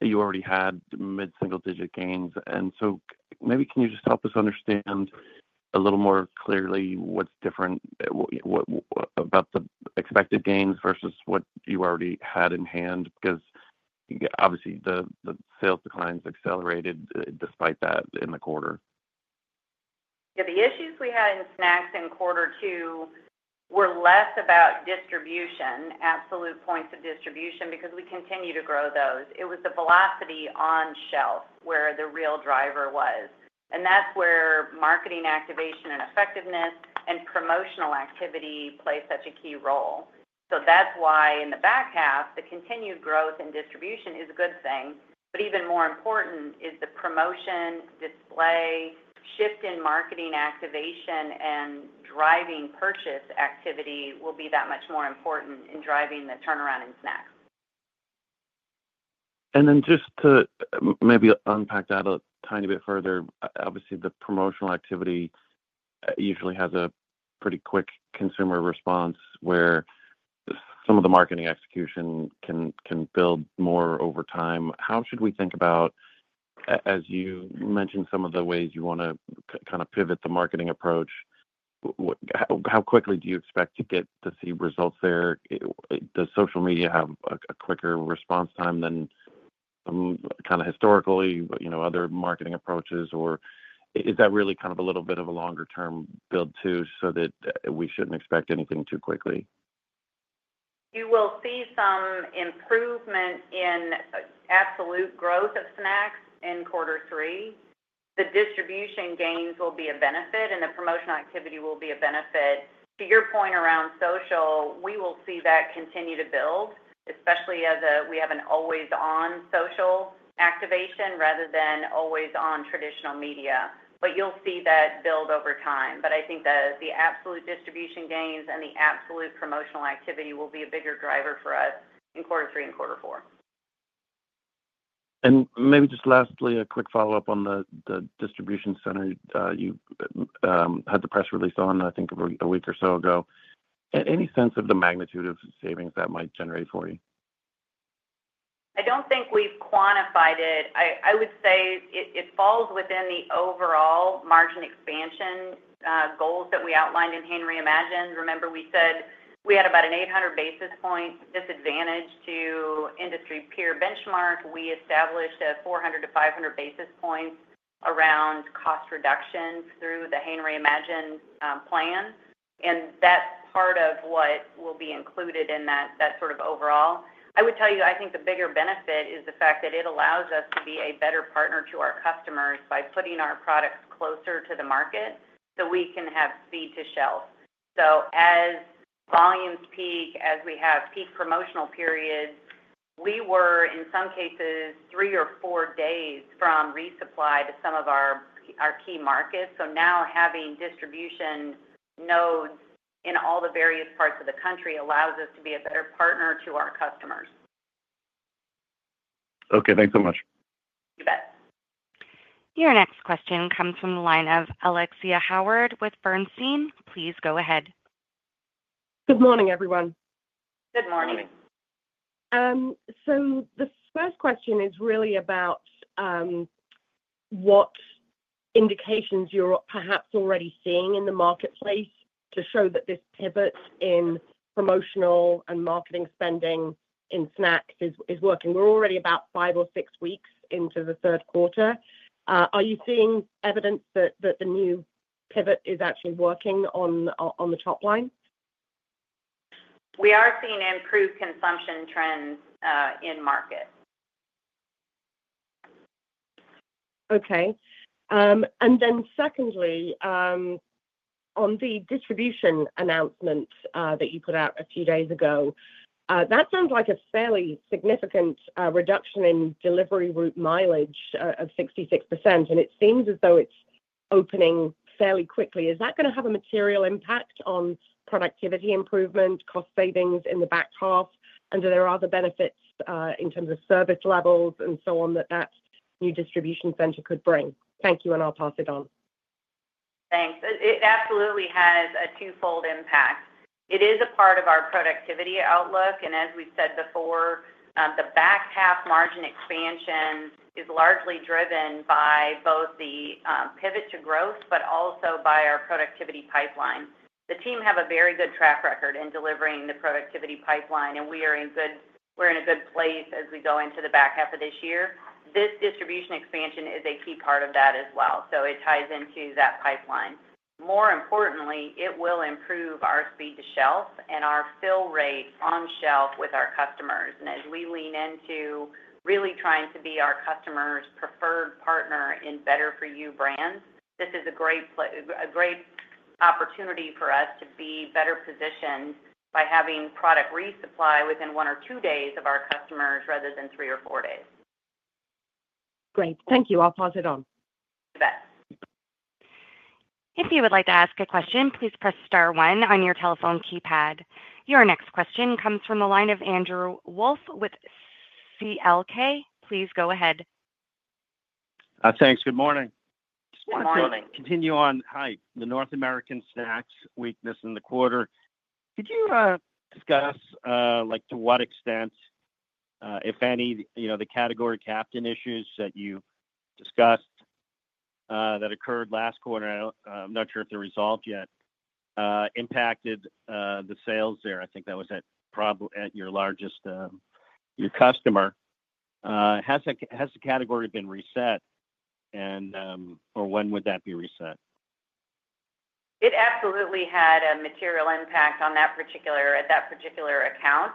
Speaker 9: you already had mid-single digit gains. Maybe can you just help us understand a little more clearly what's different about the expected gains versus what you already had in hand? Obviously, the sales declines accelerated despite that in the quarter.
Speaker 3: Yeah. The issues we had in snacks in quarter two were less about distribution, absolute points of distribution, because we continue to grow those. It was the velocity on shelf where the real driver was. That is where marketing activation and effectiveness and promotional activity play such a key role. That is why in the back half, the continued growth and distribution is a good thing. Even more important is the promotion, display, shift in marketing activation, and driving purchase activity will be that much more important in driving the turnaround in snacks.
Speaker 9: Just to maybe unpack that a tiny bit further, obviously, the promotional activity usually has a pretty quick consumer response where some of the marketing execution can build more over time. How should we think about, as you mentioned, some of the ways you want to kind of pivot the marketing approach? How quickly do you expect to get to see results there? Does social media have a quicker response time than kind of historically other marketing approaches? Is that really kind of a little bit of a longer-term build too so that we shouldn't expect anything too quickly?
Speaker 3: You will see some improvement in absolute growth of snacks in quarter three. The distribution gains will be a benefit, and the promotional activity will be a benefit. To your point around social, we will see that continue to build, especially as we have an always-on social activation rather than always-on traditional media. You will see that build over time. I think the absolute distribution gains and the absolute promotional activity will be a bigger driver for us in quarter three and quarter four.
Speaker 9: Maybe just lastly, a quick follow-up on the distribution center. You had the press release on, I think, a week or so ago. Any sense of the magnitude of savings that might generate for you?
Speaker 3: I don't think we've quantified it. I would say it falls within the overall margin expansion goals that we outlined in Hain Reimagined. Remember, we said we had about an 800 basis point disadvantage to industry peer benchmark. We established a 400-500 basis point range around cost reduction through the Hain Reimagined plan. That is part of what will be included in that sort of overall. I would tell you, I think the bigger benefit is the fact that it allows us to be a better partner to our customers by putting our products closer to the market so we can have speed to shelf. As volumes peak, as we have peak promotional periods, we were in some cases three or four days from resupply to some of our key markets. Now having distribution nodes in all the various parts of the country allows us to be a better partner to our customers.
Speaker 1: Okay. Thanks so much.
Speaker 3: You bet.
Speaker 1: Your next question comes from the line of Alexia Howard with Bernstein. Please go ahead.
Speaker 10: Good morning, everyone.
Speaker 3: Good morning.
Speaker 10: The first question is really about what indications you're perhaps already seeing in the marketplace to show that this pivot in promotional and marketing spending in snacks is working. We're already about five or six weeks into the third quarter. Are you seeing evidence that the new pivot is actually working on the top line?
Speaker 3: We are seeing improved consumption trends in market.
Speaker 10: Okay. Secondly, on the distribution announcement that you put out a few days ago, that sounds like a fairly significant reduction in delivery route mileage of 66%. It seems as though it's opening fairly quickly. Is that going to have a material impact on productivity improvement, cost savings in the back half? Are there other benefits in terms of service levels and so on that that new distribution center could bring? Thank you, and I'll pass it on.
Speaker 3: Thanks. It absolutely has a twofold impact. It is a part of our productivity outlook. As we've said before, the back half margin expansion is largely driven by both the pivot to growth, but also by our productivity pipeline. The team have a very good track record in delivering the productivity pipeline, and we are in a good place as we go into the back half of this year. This distribution expansion is a key part of that as well. It ties into that pipeline. More importantly, it will improve our speed to shelf and our fill rate on shelf with our customers. As we lean into really trying to be our customer's preferred partner in Better-for-you brands, this is a great opportunity for us to be better positioned by having product resupply within one or two days of our customers rather than three or four days.
Speaker 10: Great. Thank you. I'll pass it on.
Speaker 3: You bet.
Speaker 1: If you would like to ask a question, please press star one on your telephone keypad. Your next question comes from the line of Andrew Wolf with C.L. King. Please go ahead.
Speaker 11: Thanks. Good morning.
Speaker 3: Good morning.
Speaker 11: Just wanted to continue on, hi, the North American snacks weakness in the quarter. Could you discuss to what extent, if any, the category captain issues that you discussed that occurred last quarter? I'm not sure if they're resolved yet, impacted the sales there. I think that was at your largest customer. Has the category been reset, or when would that be reset?
Speaker 3: It absolutely had a material impact on that particular account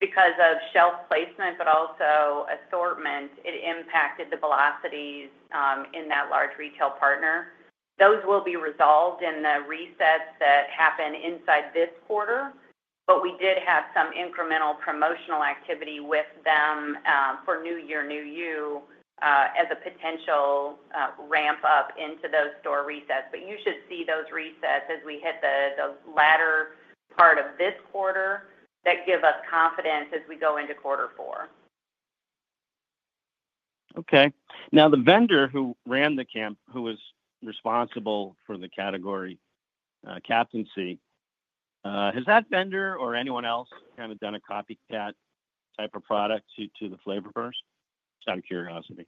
Speaker 3: because of shelf placement, but also assortment. It impacted the velocities in that large retail partner. Those will be resolved in the resets that happen inside this quarter. We did have some incremental promotional activity with them for New Year, New You as a potential ramp-up into those store resets. You should see those resets as we hit the latter part of this quarter that give us confidence as we go into quarter four.
Speaker 11: Okay. Now, the vendor who ran the camp, who was responsible for the category captaincy, has that vendor or anyone else kind of done a copycat type of product to the Flavor Burst? Just out of curiosity.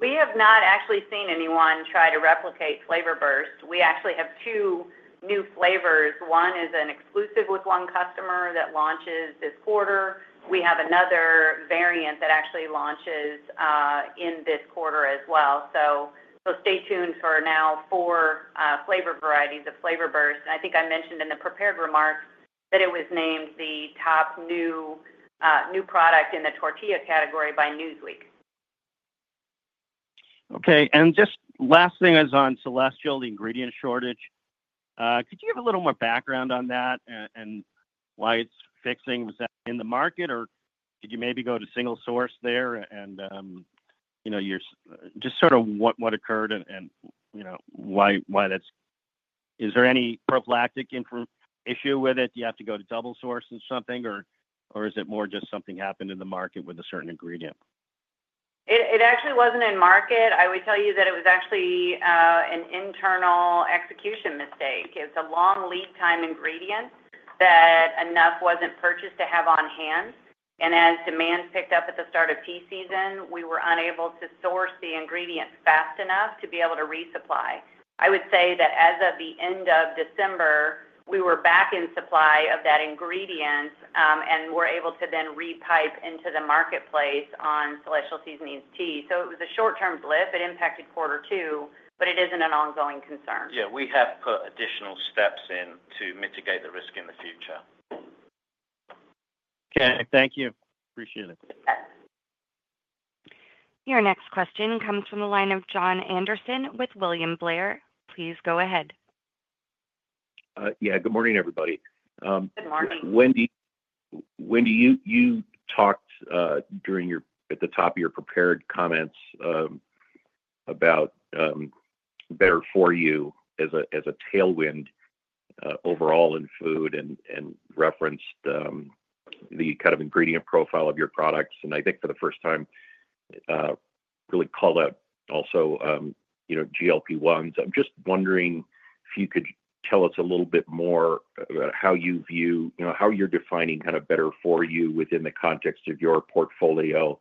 Speaker 3: We have not actually seen anyone try to replicate Flavor Burst. We actually have two new flavors. One is an exclusive with one customer that launches this quarter. We have another variant that actually launches in this quarter as well. Stay tuned for now four flavor varieties of Flavor Burst. I think I mentioned in the prepared remarks that it was named the top new product in the tortilla category by Newsweek.
Speaker 11: Okay. Just last thing is on Celestial, the ingredient shortage. Could you give a little more background on that and why it's fixing? Was that in the market, or did you maybe go to single source there? Just sort of what occurred and why that's—is there any prophylactic issue with it? Do you have to go to double source and something, or is it more just something happened in the market with a certain ingredient?
Speaker 3: It actually wasn't in market. I would tell you that it was actually an internal execution mistake. It's a long lead time ingredient that enough wasn't purchased to have on hand. As demand picked up at the start of peak season, we were unable to source the ingredient fast enough to be able to resupply. I would say that as of the end of December, we were back in supply of that ingredient and were able to then repipe into the marketplace on Celestial Seasonings tea. It was a short-term blip. It impacted quarter two, but it isn't an ongoing concern.
Speaker 4: We have put additional steps in to mitigate the risk in the future.
Speaker 11: Okay. Thank you. Appreciate it.
Speaker 1: Your next question comes from the line of John Anderson with William Blair. Please go ahead.
Speaker 12: Yeah. Good morning, everybody.
Speaker 3: Good morning.
Speaker 12: Wendy, you talked during your—at the top of your prepared comments about Better4U as a tailwind overall in food and referenced the kind of ingredient profile of your products. I think for the first time really called out also GLP-1s. I'm just wondering if you could tell us a little bit more about how you view—how you're defining kind of Better4U within the context of your portfolio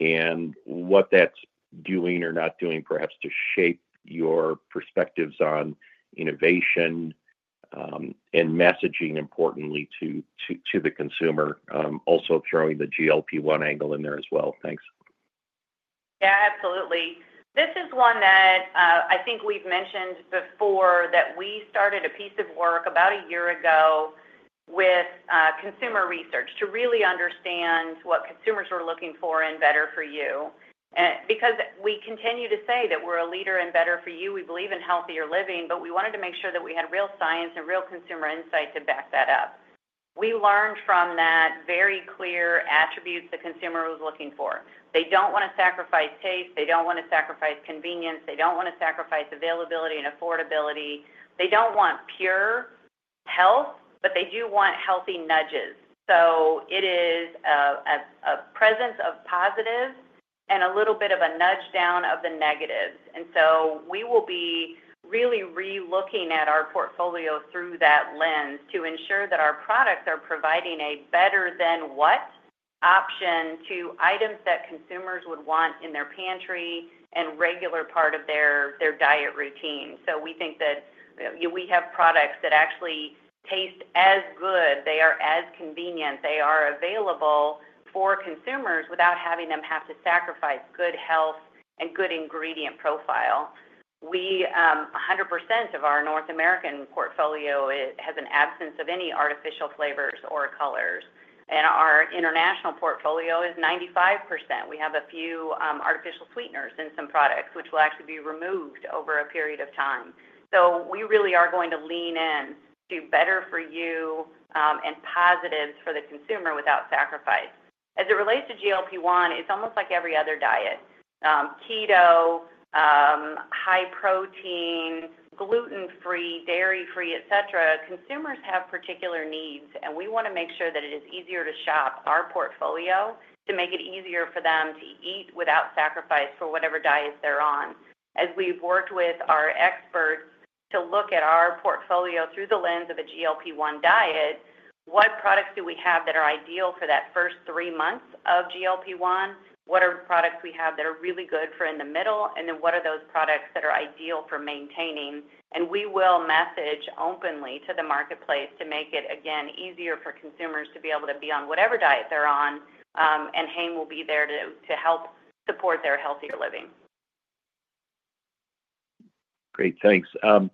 Speaker 12: and what that's doing or not doing perhaps to shape your perspectives on innovation and messaging, importantly, to the consumer. Also throwing the GLP-1 angle in there as well. Thanks.
Speaker 3: Yeah. Absolutely. This is one that I think we've mentioned before that we started a piece of work about a year ago with consumer research to really understand what consumers were looking for in Better4U. Because we continue to say that we're a leader in Better-for-you, we believe in healthier living, but we wanted to make sure that we had real science and real consumer insight to back that up. We learned from that very clear attributes the consumer was looking for. They don't want to sacrifice taste. They don't want to sacrifice convenience. They don't want to sacrifice availability and affordability. They don't want pure health, but they do want healthy nudges. It is a presence of positives and a little bit of a nudge down of the negatives. We will be really re-looking at our portfolio through that lens to ensure that our products are providing a better-than-what option to items that consumers would want in their pantry and regular part of their diet routine. We think that we have products that actually taste as good. They are as convenient. They are available for consumers without having them have to sacrifice good health and good ingredient profile. 100% of our North American portfolio has an absence of any artificial flavors or colors. Our international portfolio is 95%. We have a few artificial sweeteners in some products, which will actually be removed over a period of time. We really are going to lean in to Better-for-you and positives for the consumer without sacrifice. As it relates to GLP-1, it's almost like every other diet. Keto, high protein, gluten-free, dairy-free, etc., consumers have particular needs, and we want to make sure that it is easier to shop our portfolio to make it easier for them to eat without sacrifice for whatever diet they're on. As we've worked with our experts to look at our portfolio through the lens of a GLP-1 diet, what products do we have that are ideal for that first three months of GLP-1? What are products we have that are really good for in the middle? What are those products that are ideal for maintaining? We will message openly to the marketplace to make it, again, easier for consumers to be able to be on whatever diet they're on, and Hain will be there to help support their healthier living.
Speaker 12: Great. Thanks. I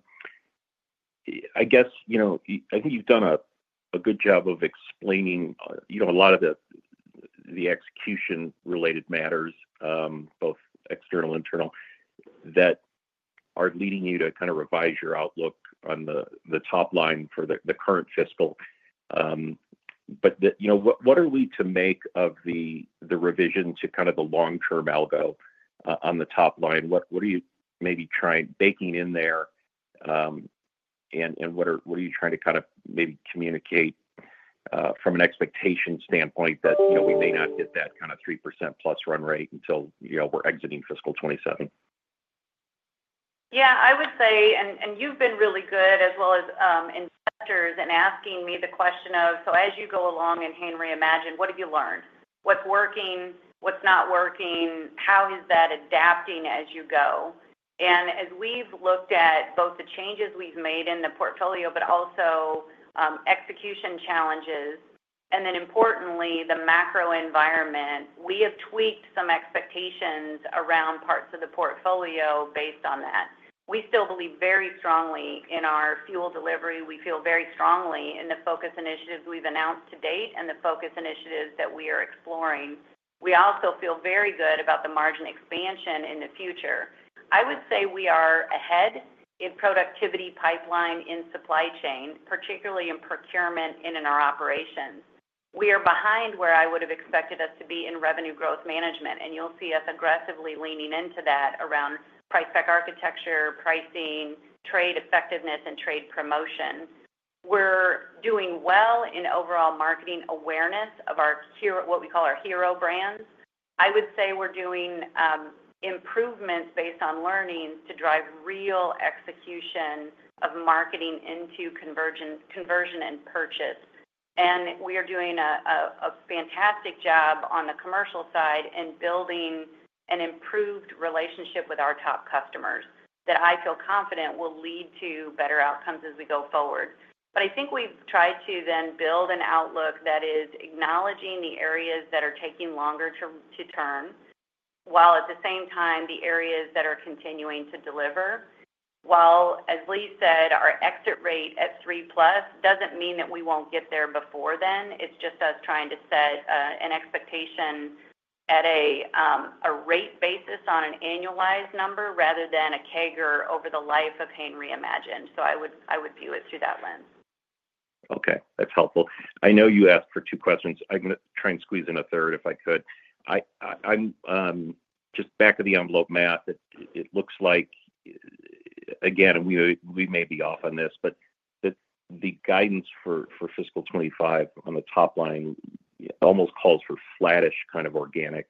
Speaker 12: guess I think you've done a good job of explaining a lot of the execution-related matters, both external and internal, that are leading you to kind of revise your outlook on the top line for the current fiscal. What are we to make of the revision to kind of the long-term algo on the top line? What are you maybe baking in there, and what are you trying to kind of maybe communicate from an expectation standpoint that we may not hit that kind of 3%+ run rate until we're exiting fiscal 2027?
Speaker 3: Yeah. I would say, and you've been really good as well as investors in asking me the question of, "As you go along in Hain Reimagined, what have you learned? What's working? What's not working? How is that adapting as you go?" As we've looked at both the changes we've made in the portfolio, but also execution challenges, and then importantly, the macro environment, we have tweaked some expectations around parts of the portfolio based on that. We still believe very strongly in our fuel delivery. We feel very strongly in the focus initiatives we've announced to date and the focus initiatives that we are exploring. We also feel very good about the margin expansion in the future. I would say we are ahead in productivity pipeline in supply chain, particularly in procurement and in our operations. We are behind where I would have expected us to be in revenue growth management, and you'll see us aggressively leaning into that around price-spec architecture, pricing, trade effectiveness, and trade promotion. We're doing well in overall marketing awareness of what we call our hero brands. I would say we're doing improvements based on learnings to drive real execution of marketing into conversion and purchase. We are doing a fantastic job on the commercial side in building an improved relationship with our top customers that I feel confident will lead to better outcomes as we go forward. I think we've tried to then build an outlook that is acknowledging the areas that are taking longer to turn while at the same time the areas that are continuing to deliver. While, as Lee said, our exit rate at 3+ doesn't mean that we won't get there before then. It's just us trying to set an expectation at a rate basis on an annualized number rather than a CAGR over the life of Hain Reimagined. I would view it through that lens.
Speaker 12: Okay. That's helpful. I know you asked for two questions. I'm going to try and squeeze in a third if I could. Just back of the envelope math, it looks like, again, and we may be off on this, but the guidance for fiscal 2025 on the top line almost calls for flattish kind of organic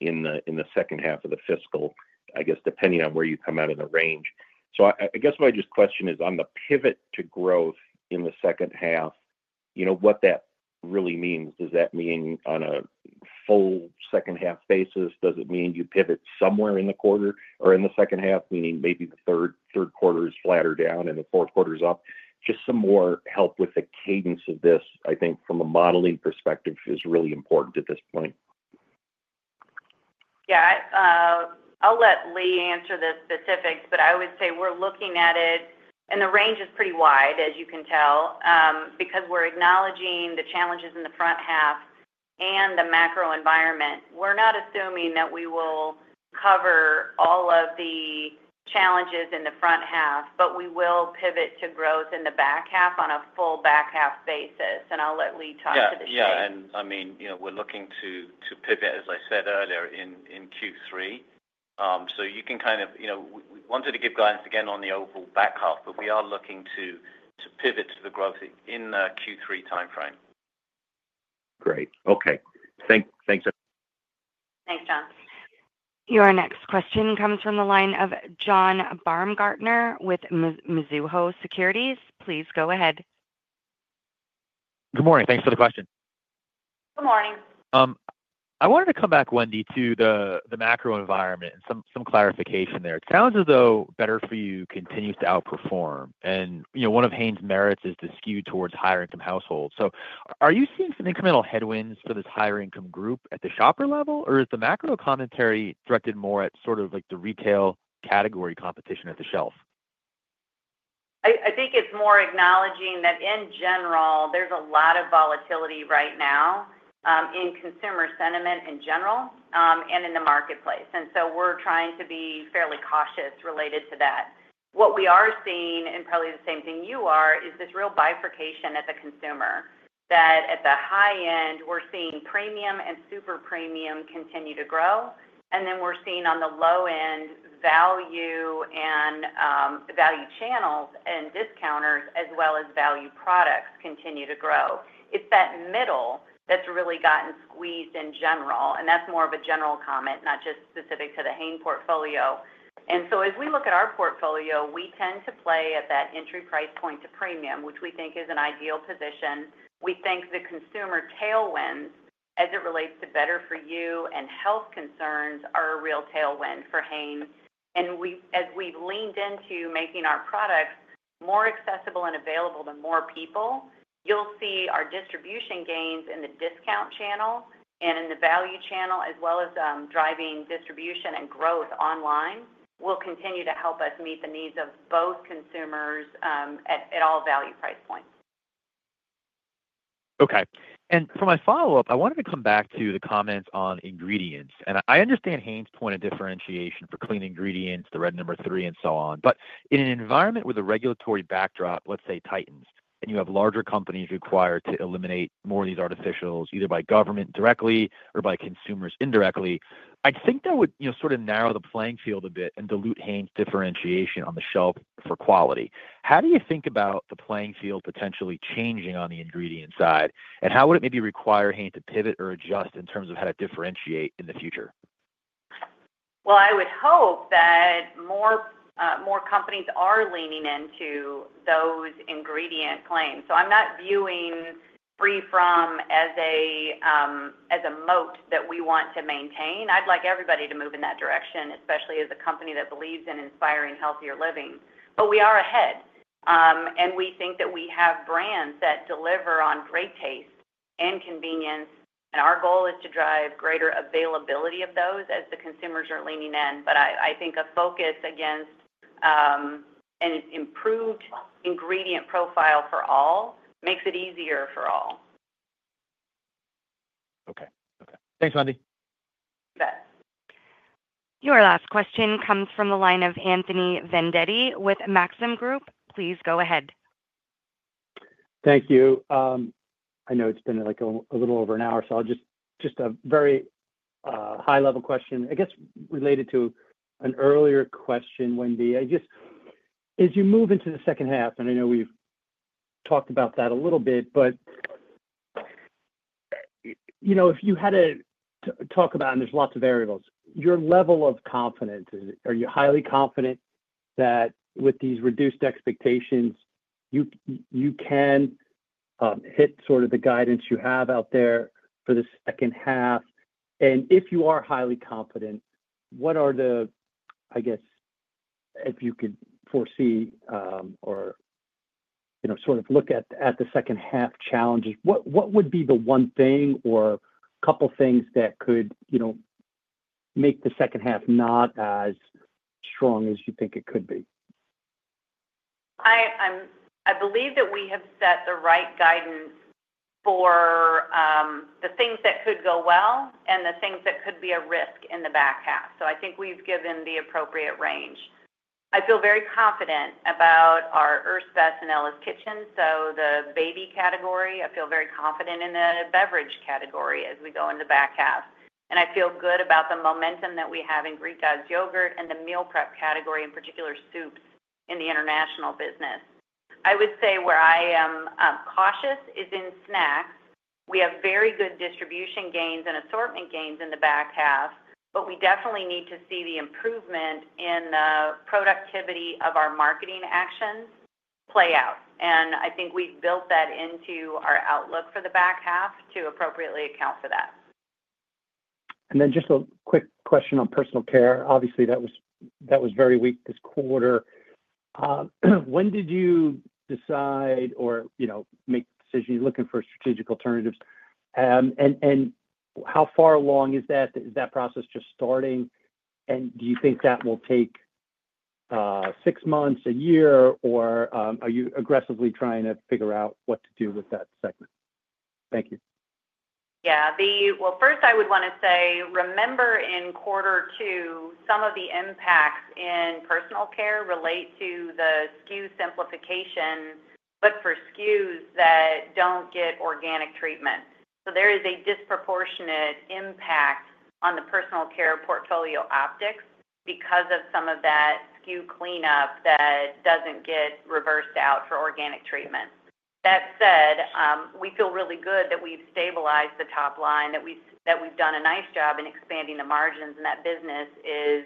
Speaker 12: in the second half of the fiscal, I guess, depending on where you come out in the range. I guess my just question is, on the pivot to growth in the second half, what that really means? Does that mean on a full second half basis? Does it mean you pivot somewhere in the quarter or in the second half, meaning maybe the third quarter is flatter down and the fourth quarter is up? Just some more help with the cadence of this, I think, from a modeling perspective is really important at this point.
Speaker 3: Yeah. I'll let Lee answer the specifics, but I would say we're looking at it, and the range is pretty wide, as you can tell. Because we're acknowledging the challenges in the front half and the macro environment, we're not assuming that we will cover all of the challenges in the front half, but we will pivot to growth in the back half on a full back half basis. I'll let Lee talk to the shares.
Speaker 4: Yeah. Yeah. I mean, we're looking to pivot, as I said earlier, in Q3. You can kind of we wanted to give guidance again on the overall back half, but we are looking to pivot to the growth in the Q3 timeframe.
Speaker 12: Great. Okay. Thanks, everyone.
Speaker 3: Thanks, John.
Speaker 1: Your next question comes from the line of John Baumgartner with Mizuho Securities. Please go ahead.
Speaker 13: Good morning. Thanks for the question.
Speaker 3: Good morning.
Speaker 13: I wanted to come back, Wendy, to the macro environment and some clarification there. It sounds as though Better-for-you continues to outperform. And one of Hain's merits is the skew towards higher-income households. So are you seeing some incremental headwinds for this higher-income group at the shopper level, or is the macro commentary directed more at sort of the retail category competition at the shelf?
Speaker 3: I think it's more acknowledging that, in general, there's a lot of volatility right now in consumer sentiment in general and in the marketplace. We are trying to be fairly cautious related to that. What we are seeing, and probably the same thing you are, is this real bifurcation at the consumer that at the high end, we're seeing premium and super premium continue to grow. We're seeing on the low end, value channels and discounters as well as value products continue to grow. It's that middle that's really gotten squeezed in general. That's more of a general comment, not just specific to the Hain portfolio. As we look at our portfolio, we tend to play at that entry price point to premium, which we think is an ideal position. We think the consumer tailwinds as it relates to Better-for-you and health concerns are a real tailwind for Hain. As we've leaned into making our products more accessible and available to more people, you'll see our distribution gains in the discount channel and in the value channel as well as driving distribution and growth online will continue to help us meet the needs of both consumers at all value price points.
Speaker 13: Okay. For my follow-up, I wanted to come back to the comments on ingredients. I understand Hain's point of differentiation for clean ingredients, the red number three, and so on. In an environment with a regulatory backdrop, let's say tightens, and you have larger companies required to eliminate more of these artificials, either by government directly or by consumers indirectly, I think that would sort of narrow the playing field a bit and dilute Hain's differentiation on the shelf for quality. How do you think about the playing field potentially changing on the ingredient side, and how would it maybe require Hain to pivot or adjust in terms of how to differentiate in the future?
Speaker 3: I would hope that more companies are leaning into those ingredient claims. I'm not viewing free from as a moat that we want to maintain. I'd like everybody to move in that direction, especially as a company that believes in inspiring healthier living. We are ahead. We think that we have brands that deliver on great taste and convenience. Our goal is to drive greater availability of those as the consumers are leaning in. I think a focus against an improved ingredient profile for all makes it easier for all.
Speaker 13: Okay. Thanks, Wendy.
Speaker 3: You bet.
Speaker 1: Your last question comes from the line of Anthony Vendetti with Maxim Group. Please go ahead.
Speaker 14: Thank you. I know it's been a little over an hour, so I'll just ask a very high-level question, I guess related to an earlier question, Wendy. As you move into the second half, and I know we've talked about that a little bit, if you had to talk about, and there's lots of variables, your level of confidence, are you highly confident that with these reduced expectations, you can hit sort of the guidance you have out there for the second half? If you are highly confident, what are the, I guess, if you could foresee or sort of look at the second half challenges, what would be the one thing or couple of things that could make the second half not as strong as you think it could be?
Speaker 3: I believe that we have set the right guidance for the things that could go well and the things that could be a risk in the back half. I think we've given the appropriate range. I feel very confident about our Earth's Best and Ella's Kitchen, so the baby category. I feel very confident in the beverage category as we go into the back half. I feel good about the momentum that we have in Greek God's Yogurt and the meal prep category, in particular soups, in the international business. I would say where I am cautious is in snacks. We have very good distribution gains and assortment gains in the back half, but we definitely need to see the improvement in the productivity of our marketing actions play out. I think we've built that into our outlook for the back half to appropriately account for that.
Speaker 14: Just a quick question on personal care. Obviously, that was very weak this quarter. When did you decide or make decisions? You're looking for strategic alternatives. How far along is that? Is that process just starting? Do you think that will take six months, a year, or are you aggressively trying to figure out what to do with that segment? Thank you.
Speaker 3: Yeah. First, I would want to say, remember in quarter two, some of the impacts in personal care relate to the SKU simplification, but for SKUs that do not get organic treatment. There is a disproportionate impact on the personal care portfolio optics because of some of that SKU cleanup that does not get reversed out for organic treatment. That said, we feel really good that we have stabilized the top line, that we have done a nice job in expanding the margins, and that business is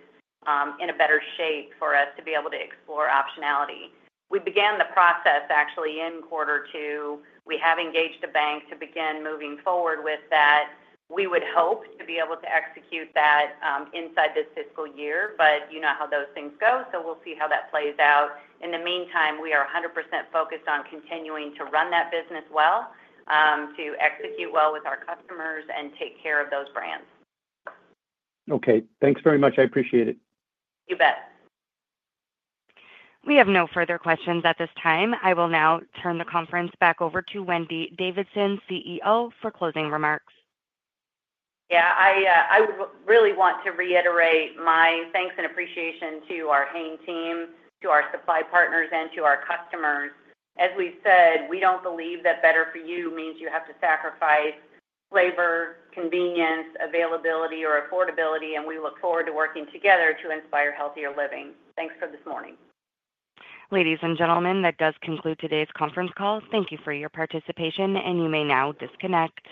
Speaker 3: in a better shape for us to be able to explore optionality. We began the process actually in quarter two. We have engaged a bank to begin moving forward with that. We would hope to be able to execute that inside this fiscal year, but you know how those things go, so we'll see how that plays out. In the meantime, we are 100% focused on continuing to run that business well, to execute well with our customers, and take care of those brands.
Speaker 14: Okay. Thanks very much. I appreciate it.
Speaker 3: You bet.
Speaker 1: We have no further questions at this time. I will now turn the conference back over to Wendy Davidson, CEO, for closing remarks.
Speaker 3: Yeah. I would really want to reiterate my thanks and appreciation to our Hain team, to our supply partners, and to our customers. As we said, we don't believe that Better-for-you means you have to sacrifice flavor, convenience, availability, or affordability, and we look forward to working together to inspire healthier living. Thanks for this morning.
Speaker 1: Ladies and gentlemen, that does conclude today's conference call. Thank you for your participation, and you may now disconnect.